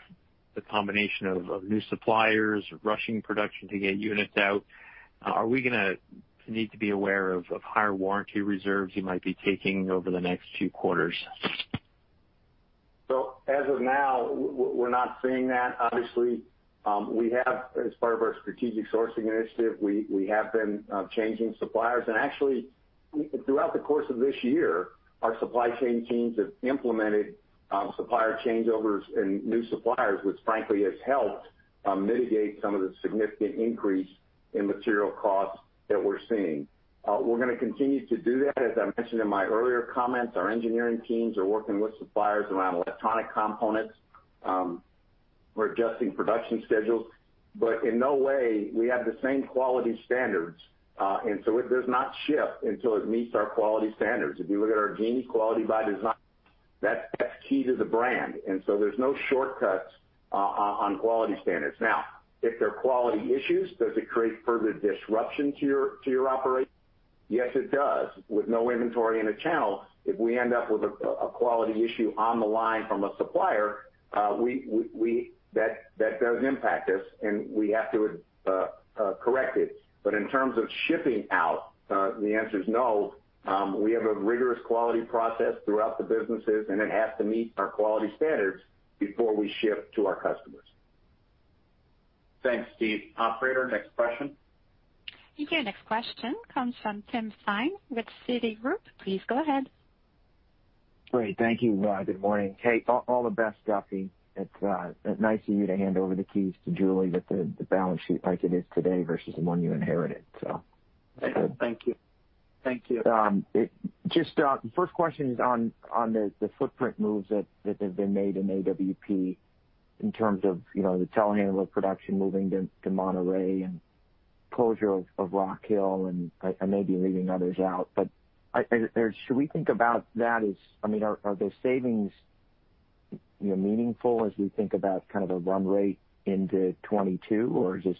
the combination of new suppliers rushing production to get units out? Are we gonna need to be aware of higher warranty reserves you might be taking over the next few quarters? As of now, we're not seeing that. Obviously, as part of our strategic sourcing initiative, we have been changing suppliers. Actually, throughout the course of this year, our supply chain teams have implemented supplier changeovers and new suppliers, which frankly has helped mitigate some of the significant increase in material costs that we're seeing. We're gonna continue to do that. As I mentioned in my earlier comments, our engineering teams are working with suppliers around electronic components, we're adjusting production schedules. In no way we have the same quality standards, it does not ship until it meets our quality standards. If you look at our Genie Quality by Design, that's key to the brand. There's no shortcuts on quality standards. Now, if there are quality issues, does it create further disruption to your operation? Yes, it does. With no inventory in a channel, if we end up with a quality issue on the line from a supplier, that does impact us, and we have to correct it. In terms of shipping out, the answer is no. We have a rigorous quality process throughout the businesses, and it has to meet our quality standards before we ship to our customers. Thanks, Steve. Operator, next question. Your next question comes from Tim Thein with Citigroup. Please go ahead. Great. Thank you. Good morning. Hey, all the best, Duffy. It's nice of you to hand over the keys to Julie with the balance sheet like it is today versus the one you inherited, so. Thank you. Thank you. Just first question is on the footprint moves that have been made in AWP in terms of, you know, the telehandler production moving to Monterrey and closure of Rock Hill, and I may be leaving others out. Should we think about that as, I mean, are those savings, you know, meaningful as we think about kind of a run rate into 2022, or is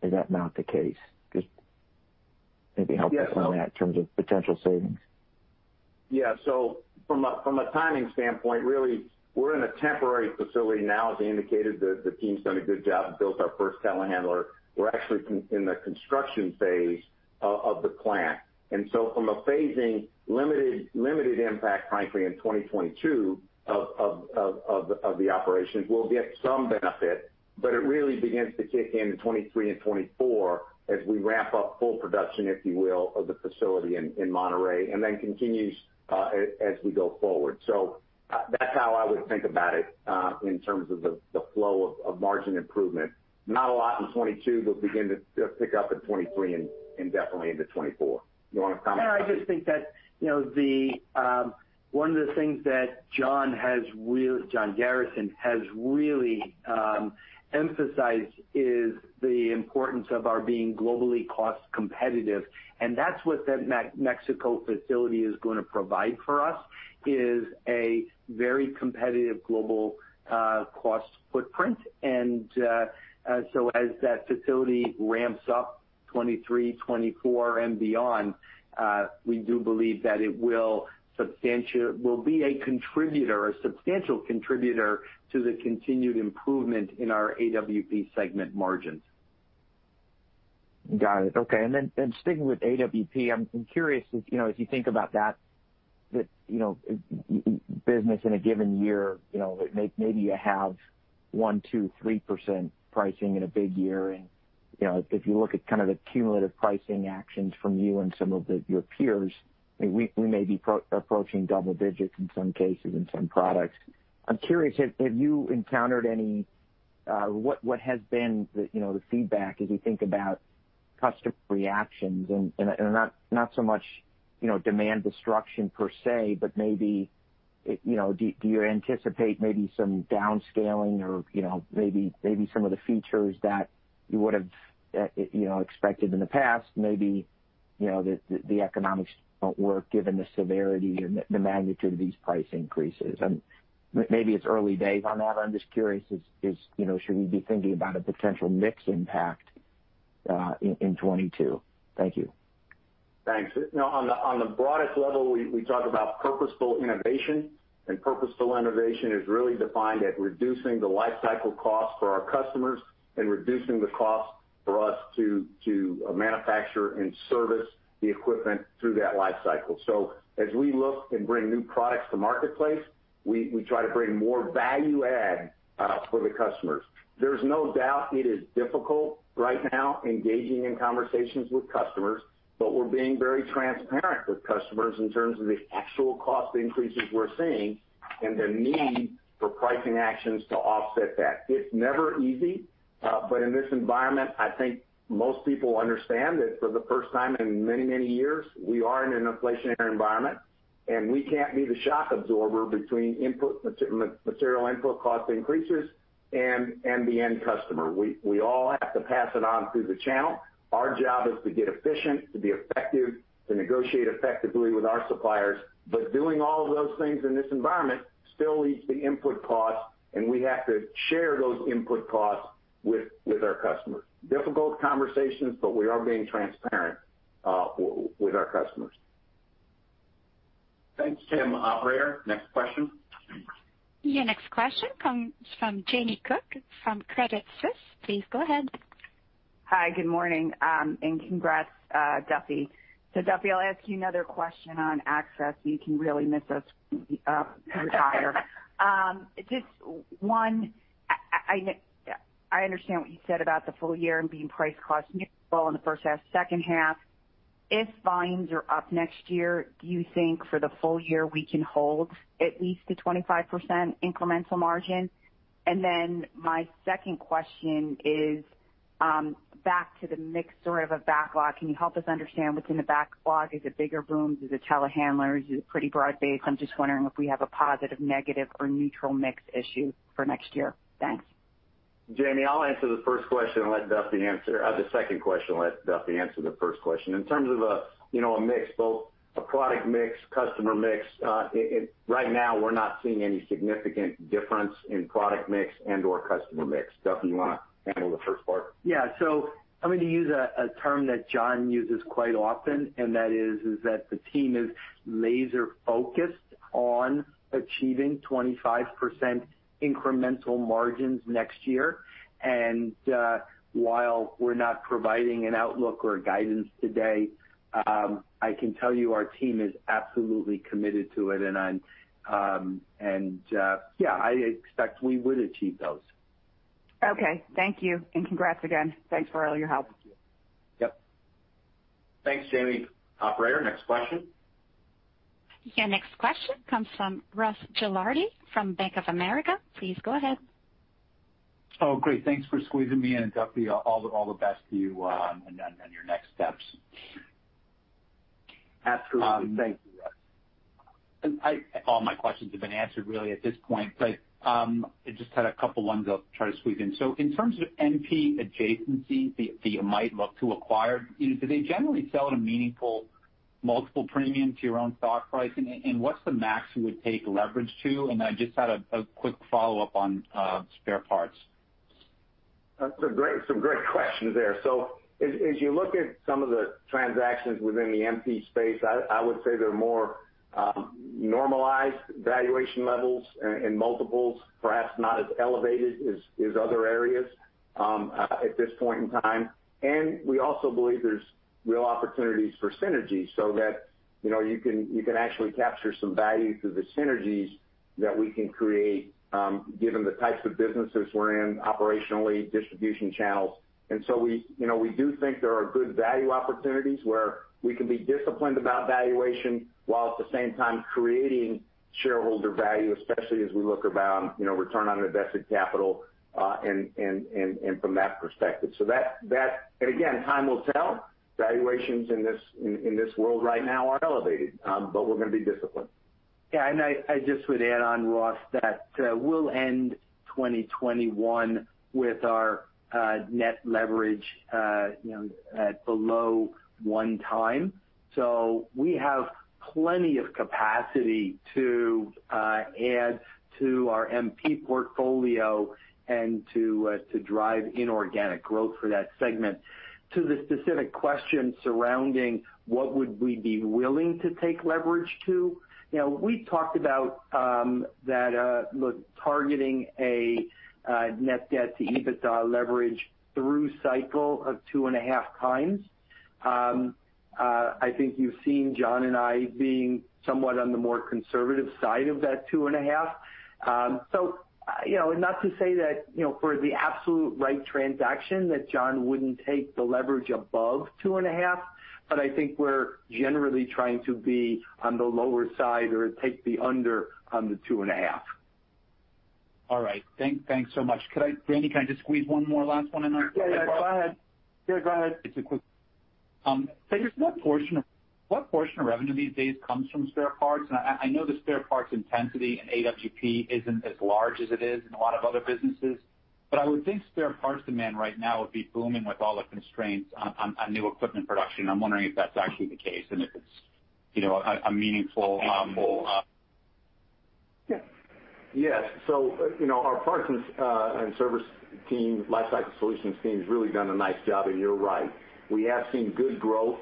that not the case? Just maybe help us on that in terms of potential savings. Yeah. From a timing standpoint, really, we're in a temporary facility now. As I indicated, the team's done a good job and built our first telehandler. We're actually in the construction phase of the plant. From a phasing limited impact, frankly, in 2022 of the operations, we'll get some benefit, but it really begins to kick in in 2023 and 2024 as we ramp up full production, if you will, of the facility in Monterrey, and then continues as we go forward. That's how I would think about it in terms of the flow of margin improvement. Not a lot in 2022, but begin to pick up in 2023 and definitely into 2024. You wanna comment on that? I just think that, you know, the one of the things that John Garrison has really emphasized is the importance of our being globally cost competitive, and that's what that Mexico facility is gonna provide for us, is a very competitive global cost footprint. So as that facility ramps up 2023, 2024 and beyond, we do believe that it will be a contributor, a substantial contributor to the continued improvement in our AWP segment margins. Got it. Okay. Sticking with AWP, I'm curious if, you know, if you think about that business in a given year, you know, maybe you have 1%, 2%, 3% pricing in a big year. You know, if you look at kind of the cumulative pricing actions from you and some of your peers, I mean, we may be approaching double digits in some cases in some products. I'm curious, have you encountered any? What has been the, you know, the feedback as you think about customer reactions and not so much, you know, demand destruction per se, but maybe, you know, do you anticipate maybe some downscaling or, you know, maybe some of the features that you would've, you know, expected in the past, maybe, you know, the economics don't work given the severity and the magnitude of these price increases? Maybe it's early days on that. I'm just curious, you know, should we be thinking about a potential mix impact in 2022? Thank you. Thanks. No, on the broadest level, we talk about purposeful innovation, and purposeful innovation is really defined as reducing the life cycle cost for our customers and reducing the cost for us to manufacture and service the equipment through that life cycle. As we look and bring new products to marketplace, we try to bring more value add for the customers. There's no doubt it is difficult right now engaging in conversations with customers, but we're being very transparent with customers in terms of the actual cost increases we're seeing and the need for pricing actions to offset that. It's never easy, but in this environment, I think most people understand that for the first time in many, many years, we are in an inflationary environment, and we can't be the shock absorber between input, material input cost increases and the end customer. We all have to pass it on through the channel. Our job is to get efficient, to be effective, to negotiate effectively with our suppliers. Doing all of those things in this environment still leaves the input costs, and we have to share those input costs with our customers. Difficult conversations, but we are being transparent with our customers. Thanks, Tim. Operator, next question. Your next question comes from Jamie Cook from Credit Suisse. Please go ahead. Hi. Good morning, and congrats, Duffy. Duffy, I'll ask you another question on access, and you can really miss us when you retire. Just one, I understand what you said about the full year and being price cost neutral in the first half. Second half, if volumes are up next year, do you think for the full year we can hold at least to 25% incremental margin? And then my second question is, back to the mix sort of a backlog. Can you help us understand what's in the backlog? Is it bigger booms? Is it telehandlers? Is it pretty broad-based? I'm just wondering if we have a positive, negative, or neutral mix issue for next year. Thanks. Jamie, I'll answer the first question and let Duffy answer the second question and let Duffy answer the first question. In terms of a mix, you know, both a product mix, customer mix, right now we're not seeing any significant difference in product mix and/or customer mix. Duffy, you wanna handle the first part? Yeah, I'm gonna use a term that John uses quite often, and that is that the team is laser focused on achieving 25% incremental margins next year. While we're not providing an outlook or a guidance today, I can tell you our team is absolutely committed to it. Yeah, I expect we would achieve those. Okay. Thank you, and congrats again. Thanks for all your help. Thank you. Yep. Thanks, Jamie. Operator, next question. Your next question comes from Ross Gilardi from Bank of America. Please go ahead. Oh, great. Thanks for squeezing me in. Duffy, all the best to you on your next steps. Absolutely. Thank you, Ross. All my questions have been answered really at this point, but I just had a couple ones I'll try to squeeze in. In terms of MP adjacency that you might look to acquire, you know, do they generally sell at a meaningful multiple premium to your own stock price? What's the max you would take leverage to? I just had a quick follow-up on spare parts. That's some great questions there. As you look at some of the transactions within the MP space, I would say they're more normalized valuation levels and multiples, perhaps not as elevated as other areas at this point in time. We also believe there's real opportunities for synergies so that you know you can actually capture some value through the synergies that we can create given the types of businesses we're in operationally, distribution channels. We do think there are good value opportunities where we can be disciplined about valuation while at the same time creating shareholder value, especially as we look around you know return on invested capital and from that perspective. That. Again, time will tell. Valuations in this world right now are elevated, but we're gonna be disciplined. Yeah. I just would add on, Ross, that we'll end 2021 with our net leverage, you know, at below 1x. We have plenty of capacity to add to our MP portfolio and to drive inorganic growth for that segment. To the specific question surrounding what would we be willing to take leverage to, you know, we talked about that targeting a net debt to EBITDA leverage through cycle of 2.5x. I think you've seen John and I being somewhat on the more conservative side of that 2.5x. You know, not to say that, you know, for the absolute right transaction that John wouldn't take the leverage above 2.5, but I think we're generally trying to be on the lower side or take the under on the 2.5. All right. Thanks so much. Could I, Randy, can I just squeeze one more last one in on- Yeah, yeah. Go ahead. Yeah, go ahead. It's a quick one. Just what portion of revenue these days comes from spare parts? I know the spare parts intensity in AWP isn't as large as it is in a lot of other businesses, but I would think spare parts demand right now would be booming with all the constraints on new equipment production. I'm wondering if that's actually the case and if it's, you know, a meaningful. Yeah. Yes. You know, our parts and service team, Lifecycle Solutions team has really done a nice job, and you're right. We have seen good growth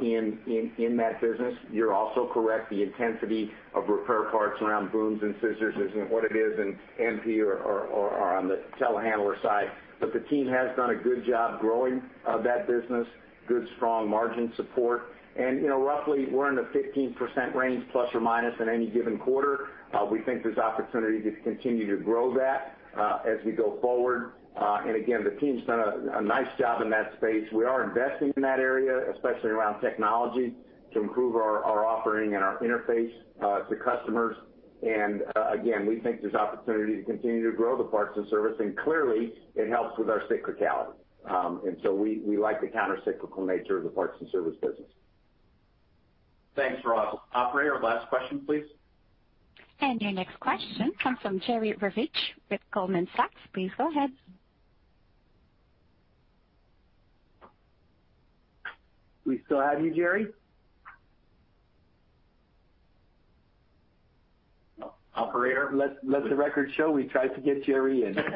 in that business. You're also correct, the intensity of repair parts around booms and scissors isn't what it is in MP or on the telehandler side. The team has done a good job growing that business. Good, strong margin support. You know, roughly we're in the 15% range ± in any given quarter. We think there's opportunity to continue to grow that as we go forward. The team's done a nice job in that space. We are investing in that area, especially around technology, to improve our offering and our interface to customers. Again, we think there's opportunity to continue to grow the parts and service, and clearly it helps with our cyclicality. We like the countercyclical nature of the parts and service business. Thanks, Ross. Operator, last question, please. Your next question comes from Jerry Revich with Goldman Sachs. Please go ahead. We still have you, Jerry? Operator? Let the record show we tried to get Jerry in. It's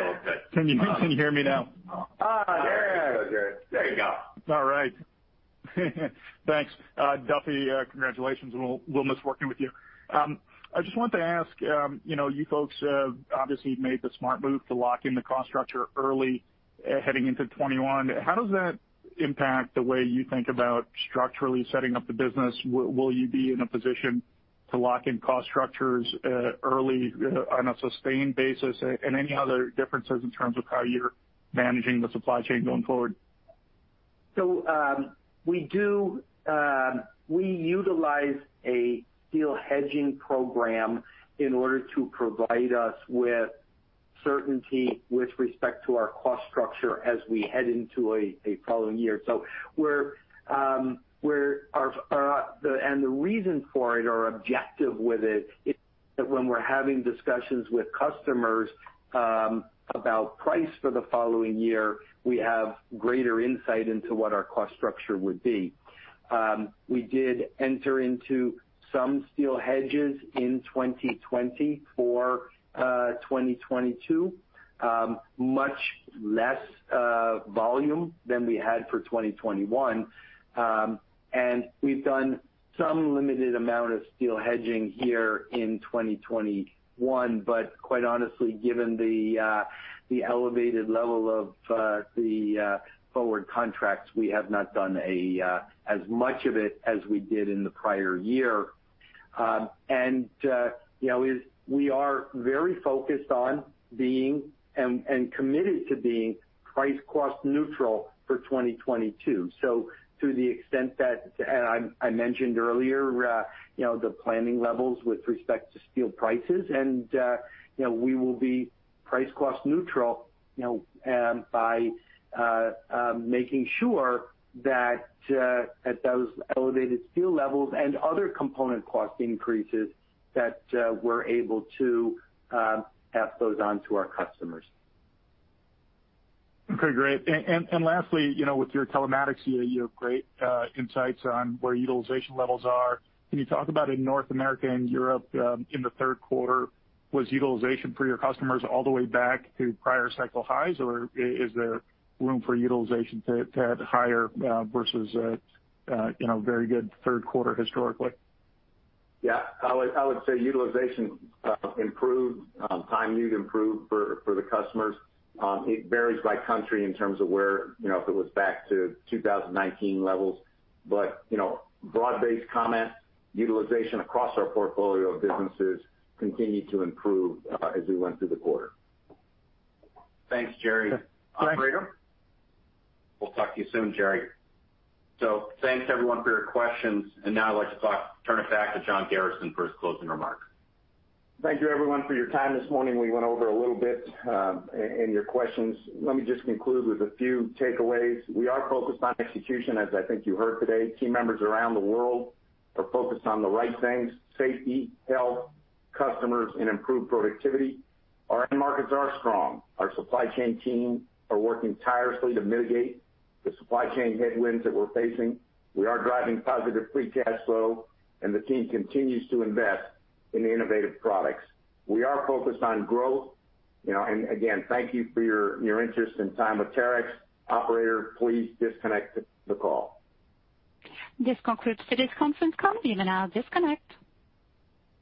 all good. Can you hear me now? There we go. There you go, Jerry. There you go. All right. Thanks. Duffy, congratulations. We'll miss working with you. I just wanted to ask, you know, you folks obviously made the smart move to lock in the cost structure early, heading into 2021. How does that impact the way you think about structurally setting up the business? Will you be in a position to lock in cost structures early on a sustained basis? Any other differences in terms of how you're managing the supply chain going forward? We utilize a steel hedging program in order to provide us with certainty with respect to our cost structure as we head into a following year. The reason for it, our objective with it is that when we're having discussions with customers about price for the following year, we have greater insight into what our cost structure would be. We did enter into some steel hedges in 2020 for 2022, much less volume than we had for 2021. We've done some limited amount of steel hedging here in 2021, but quite honestly, given the elevated level of the forward contracts, we have not done as much of it as we did in the prior year. We are very focused on being and committed to being price cost neutral for 2022. To the extent that I mentioned earlier, you know, the planning levels with respect to steel prices and you know, we will be price cost neutral, you know, by making sure that at those elevated steel levels and other component cost increases that we're able to pass those on to our customers. Okay, great. Lastly, you know, with your telematics unit, you have great insights on where utilization levels are. Can you talk about in North America and Europe, in the third quarter, was utilization for your customers all the way back to prior cycle highs or is there room for utilization to add higher, versus, you know, very good third quarter historically? Yeah. I would say utilization improved, uptime improved for the customers. It varies by country in terms of where, you know, if it was back to 2019 levels. You know, broad-based comment, utilization across our portfolio of businesses continued to improve as we went through the quarter. Thanks, Jerry. Okay. Thanks. Operator? We'll talk to you soon, Jerry. Thanks everyone for your questions. Now I'd like to turn it back to John Garrison for his closing remarks. Thank you everyone for your time this morning. We went over a little bit in your questions. Let me just conclude with a few takeaways. We are focused on execution, as I think you heard today. Team members around the world are focused on the right things, safety, health, customers, and improved productivity. Our end markets are strong. Our supply chain team are working tirelessly to mitigate the supply chain headwinds that we're facing. We are driving positive free cash flow, and the team continues to invest in innovative products. We are focused on growth, you know. Again, thank you for your interest and time with Terex. Operator, please disconnect the call. This concludes today's conference call. You may now disconnect.